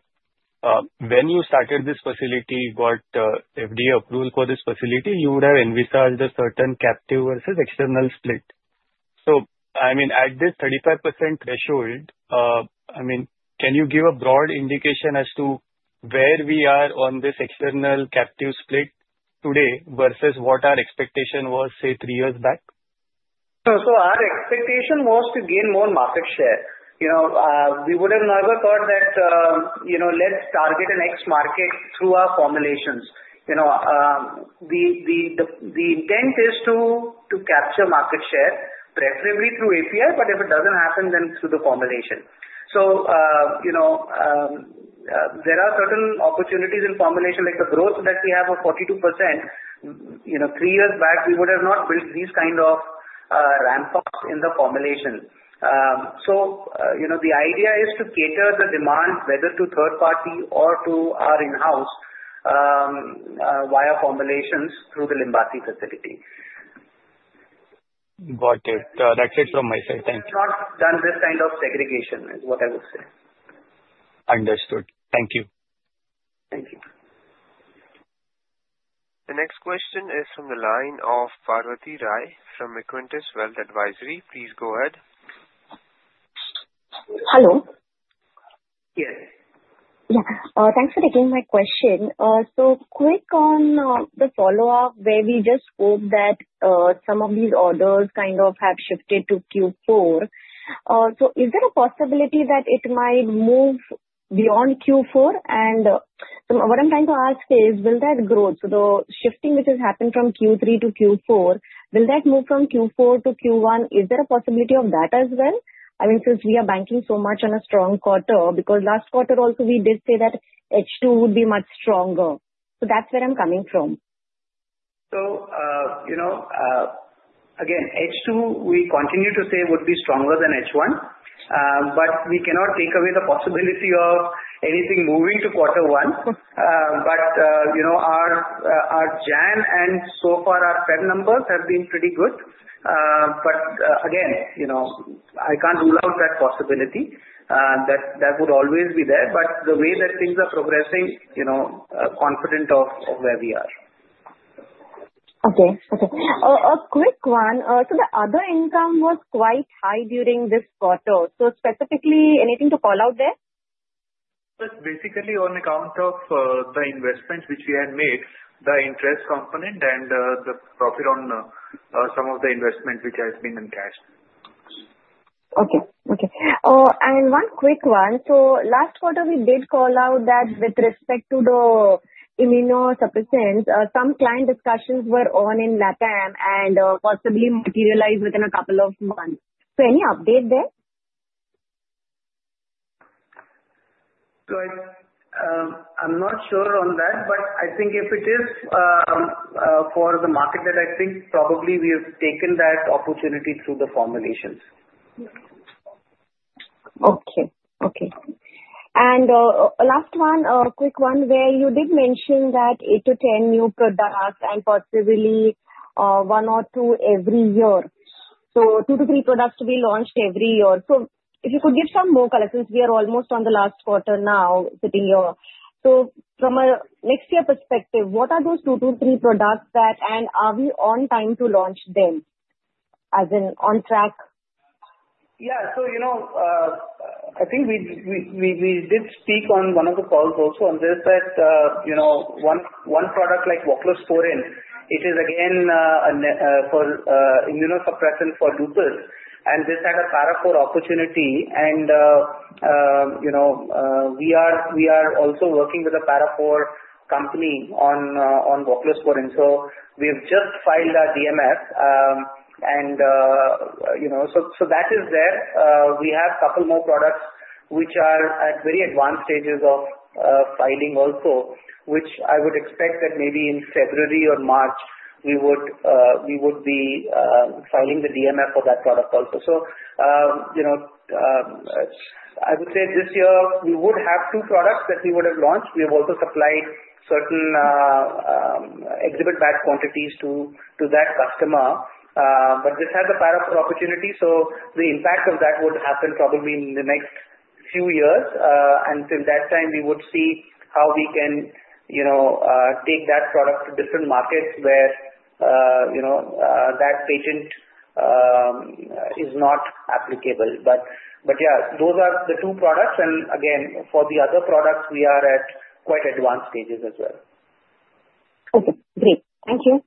when you started this facility, got FDA approval for this facility, you would have envisaged a certain captive versus external split. So I mean, at this 35% threshold, I mean, can you give a broad indication as to where we are on this external captive split today versus what our expectation was, say, three years back? So our expectation was to gain more market share. You know we would have never thought that you know let's target an X market through our formulations. You know the the intent is to to capture market share, preferably through API, but if it doesn't happen, then through the formulation. So you know there are certain opportunities in formulation, like the growth that we have of 42%. You know three years back, we would have not built these kinds of ramp-ups in the formulation. So you know the idea is to cater the demand, whether to third party or to our in-house, via formulations through the Limbasi facility. Got it. That's it from my side. Thank you. Not done this kind of segregation is what I would say. Understood. Thank you. Thank you. The next question is from the line of Parvati Rai from Equentis Wealth Advisory. Please go ahead. Hello. Yes. Yeah.Thanks for taking my question. So quick on the follow-up, where we just spoke that some of these orders kind of have shifted to Q4. So is there a possibility that it might move beyond Q4? And what I'm trying to ask is, will that growth? The shifting which has happened from Q3 to Q4, will that move from Q4 to Q1? Is there a possibility of that as well? I mean, since we are banking so much on a strong quarter, because last quarter also we did say that H2 would be much stronger. So that's where I'm coming from. So you know again, H2, we continue to say would be stronger than H1, but we cannot take away the possibility of anything moving to quarter one. But you know our January and so far our February numbers have been pretty good. But again, you know I can't rule out that possibility. That would always be there. But the way that things are progressing, you know confident of where we are. Okay. Okay. A quick one. So the other income was quite high during this quarter. So specifically, anything to call out there? Basically, on account of the investment which we had made, the interest component and the profit on some of the investment which has been in cash. Okay. Okay. And one quick one. So last quarter, we did call out that with respect to the Immunosuppressants, some client discussions were on in LATAM and possibly materialize within a couple of months. So any update there? So I'm not sure on that, but I think if it is for the market that I think probably we have taken that opportunity through the formulations. Okay. Okay. And last one, a quick one, where you did mention that eight to 10 new products and possibly one or two every year. So two to three products to be launched every year. So if you could give some more color since we are almost on the last quarter now sitting here. So from a next year perspective, what are those two to three products that, and are we on time to launch them as in on track? Yeah. So you know I think we did speak on one of the calls also on this, that you know one product like Voclosporin. It is again for Immunosuppressant for Lupus, and this had a Para IV opportunity. And you know we are we are also working with a Para IV company on Voclosporin. So we have just filed our DMF, and you know so that is there. We have a couple more products which are at very advanced stages of filing also, which I would expect that maybe in February or March, we would we would be filing the DMF for that product also. So you know I would say this year, we would have two products that we would have launched. We have also supplied certain exhibit-backed quantities to that customer, but this has a Para IV opportunity. So the impact of that would happen probably in the next few years. Until that time, we would see how we can you know take that product to different markets where you know that patent is not applicable. But but yeah, those are the two products. And again, for the other products, we are at quite advanced stages as well. Okay. Great. Thank you.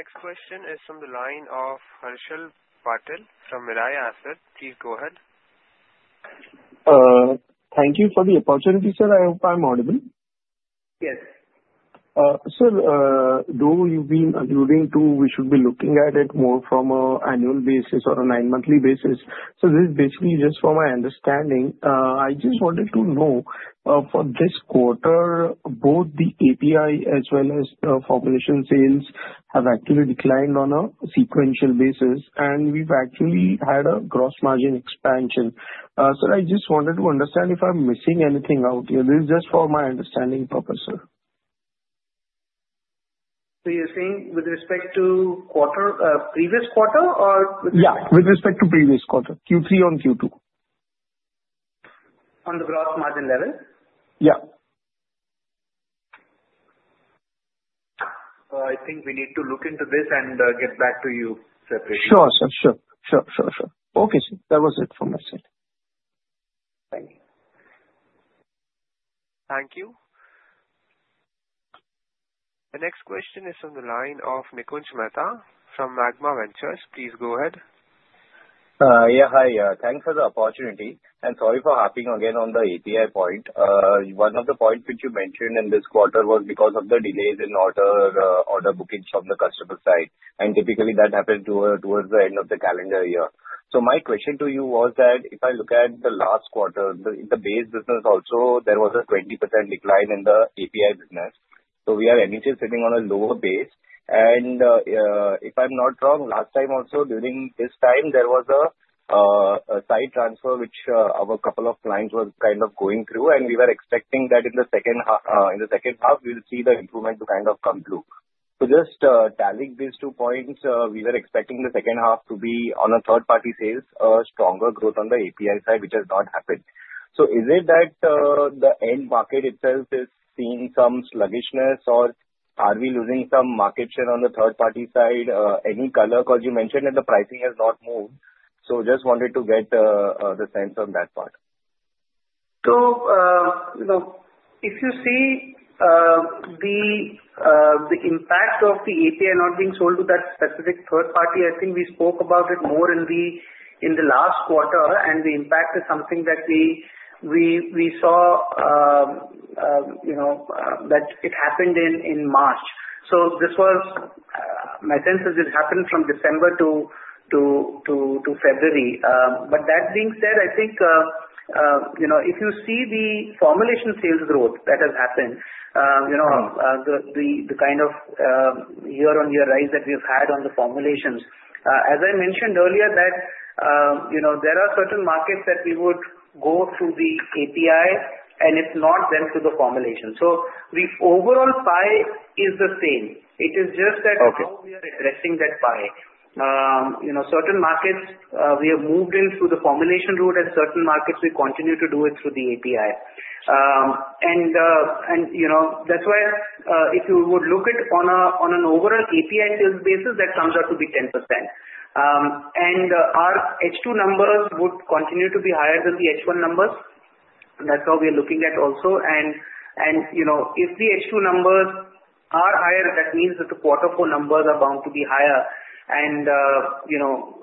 Thank you. The next question is from the line of Harshal Patil from Mirae Asset. Please go ahead. Thank you for the opportunity, sir. I hope I'm audible. Yes. Sir, though you've been alluding to, we should be looking at it more from an annual basis or a nine-monthly basis. So this is basically just for my understanding. I just wanted to know, for this quarter, both the API as well as the formulation sales have actually declined on a sequential basis, and we've actually had a gross margin expansion. So I just wanted to understand if I'm missing anything out here. This is just for my understanding purpose sir. So you're saying with respect to quarter previous quarter or Yeah, with respect to previous quarter, Q3 on Q2. On the gross margin level? Yeah. So I think we need to look into this and get back to you separately. Sure, sir. Sure. Sure. Sure. Sure. Okay, sir. That was it from my side. Thank you. The next question is from the line of Nikunj Mehta from Magma Ventures. Please go ahead. Yeah. Hi. Thanks for the opportunity. And sorry for hopping again on the API point. One of the points which you mentioned in this quarter was because of the delays in order order bookings from the customer side. And typically, that happens towards the end of the calendar year. So, my question to you was that if I look at the last quarter, the base business also, there was a 20% decline in the API business. So we are initially sitting on a lower base. And if I'm not wrong, last time also during this time, there was a site transfer which our couple of clients were kind of going through, and we were expecting that in the second half, we would see the improvement to kind of come through. So just tallying these two points, we were expecting the second half to be on a third-party sales, stronger growth on the API side, which has not happened. So is it that the end market itself is seeing some sluggishness, or are we losing some market share on the third-party side? Any color? Because you mentioned that the pricing has not moved. So just wanted to get the sense on that part. So if you see the impact of the API not being sold to that specific third party, I think we spoke about it more in the last quarter, and the impact is something that we we saw you know that it happened in March. So this was, my sense is it happened from December to to to February. But that being said, I think you know if you see the formulation sales growth that has happened, you know the kind of year-on-year rise that we've had on the formulations, as I mentioned earlier, that you know there are certain markets that we would go through the API, and it's not done through the formulation. So the overall pie is the same. It is just that how we are addressing that pie. Certain markets, we have moved in through the formulation route, and certain markets, we continue to do it through the API. And you know that's why if you would look at on an overall API sales basis, that comes out to be 10%. And our H2 numbers would continue to be higher than the H1 numbers. That's how we are looking at also. And and you know if the H2 numbers are higher, that means that the quarter four numbers are bound to be higher. And you know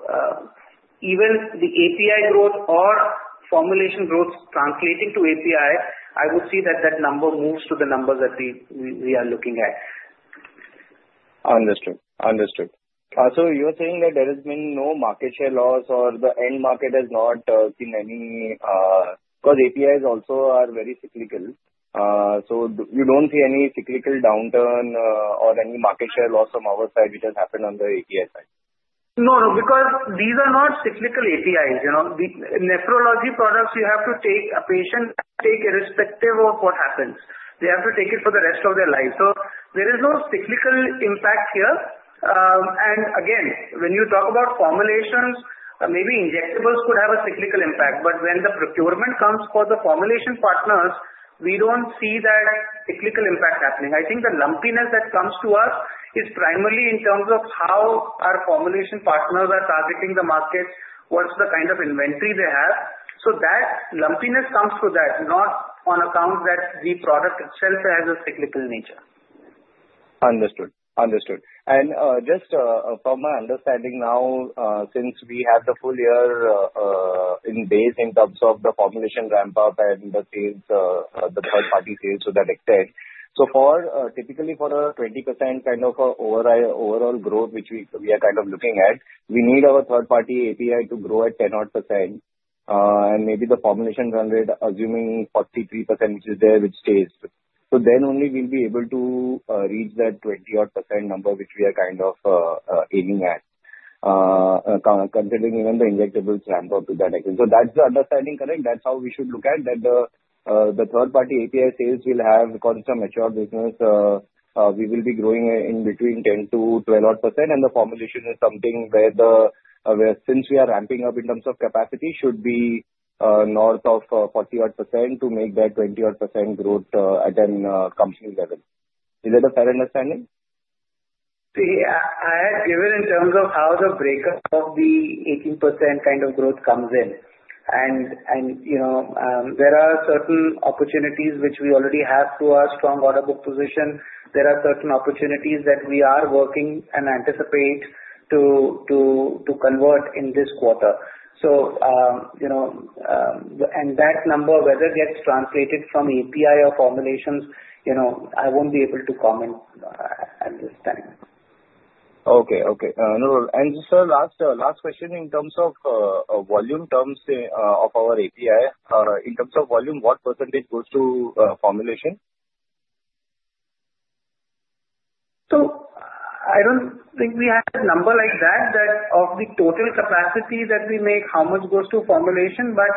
even the API growth or formulation growth translating to API, I would see that that number moves to the numbers that we we are looking at. Understood. Understood. So you are saying that there has been no market share loss or the end market has not seen any because APIs also are very cyclical. So you don't see any cyclical downturn or any market share loss from our side, which has happened on the API side. No, no. Because these are not cyclical APIs. Nephrology products, you have to take a patient take irrespective of what happens. They have to take it for the rest of their life. So there is no cyclical impact here. And again, when you talk about formulations, maybe injectables could have a cyclical impact. But when the procurement comes for the formulation partners, we don't see that cyclical impact happening. I think the lumpiness that comes to us is primarily in terms of how our formulation partners are targeting the market, what's the kind of inventory they have. So that lumpiness comes to that, not on account that the product itself has a cyclical nature. Understood. Understood. And just from my understanding now, since we have the full year in base in terms of the formulation ramp-up and the sales the third-party sales to that extent, so for typically for a 20% kind of overall growth, which we are kind of looking at, we need our third-party API to grow at 10-odd%. And maybe the formulation run, assuming 43% is there, which stays. So then only we'll be able to reach that 20-odd% number, which we are kind of aiming at, considering even the injectables ramp-up to that extent. So that's the understanding, correct? That's how we should look at that the third-party API sales will have because it's a mature business. We will be growing in between 10-12-odd %, and the formulation is something where since we are ramping up in terms of capacity, should be north of 40-odd % to make that 20-odd % growth at a company level. Is that a fair understanding? I had given in terms of how the breakup of the 18% kind of growth comes in. And and you know there are certain opportunities which we already have to our strong order book position. There are certain opportunities that we are working and anticipate to to convert in this quarter. So you know and that number, whether it gets translated from API or formulations, I won't be able to comment at this time. Okay. Okay. No problem. And sir, last last question in terms of volume terms of our API, in terms of volume, what percentage goes to formulation? So I don't think we have a number like that, that of the total capacity that we make, how much goes to formulation. But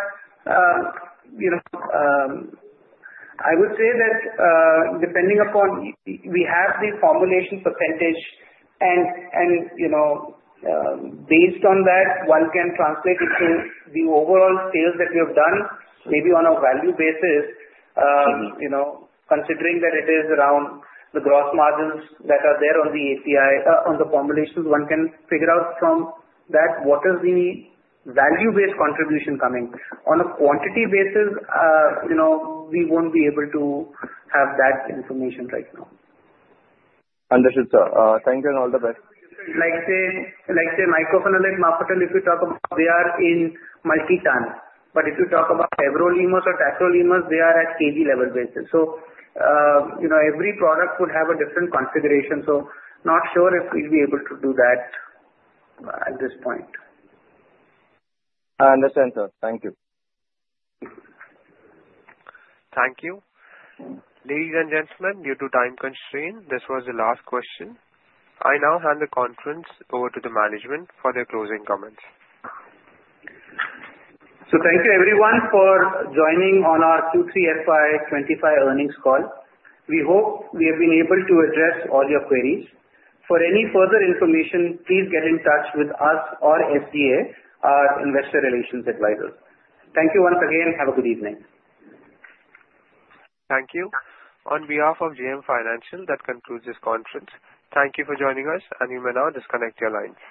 you know I would say that depending upon we have the formulation percentage, and and you know based on that, one can translate it to the overall sales that we have done, maybe on a value basis. You know considering that it is around the gross margins that are there on the API, on the formulations, one can figure out from that what is the value-based contribution coming. On a quantity basis, you know we won't be able to have that information right now. Understood, sir. Thank you and all the best. Like the microphone alert, Marc Maurer, if you talk we are in multi-ton. But if you talk about Everolimus or Tacrolimus, they are at KG level basis. So you know every product would have a different configuration. So not sure if we'll be able to do that at this point. I understand, sir. Thank you. Thank you. Ladies and gentlemen, due to time constraint, this was the last question. I now hand the conference over to the management for their closing comments. So thank you, everyone, for joining on our Q3 FY 2025 earnings call. We hope we have been able to address all your queries. For any further information, please get in touch with us or SDA, our investor relations advisor. Thank you once again. Have a good evening. Thank you. On behalf of JM Financial, that concludes this conference. Thank you for joining us, and you may now disconnect your line.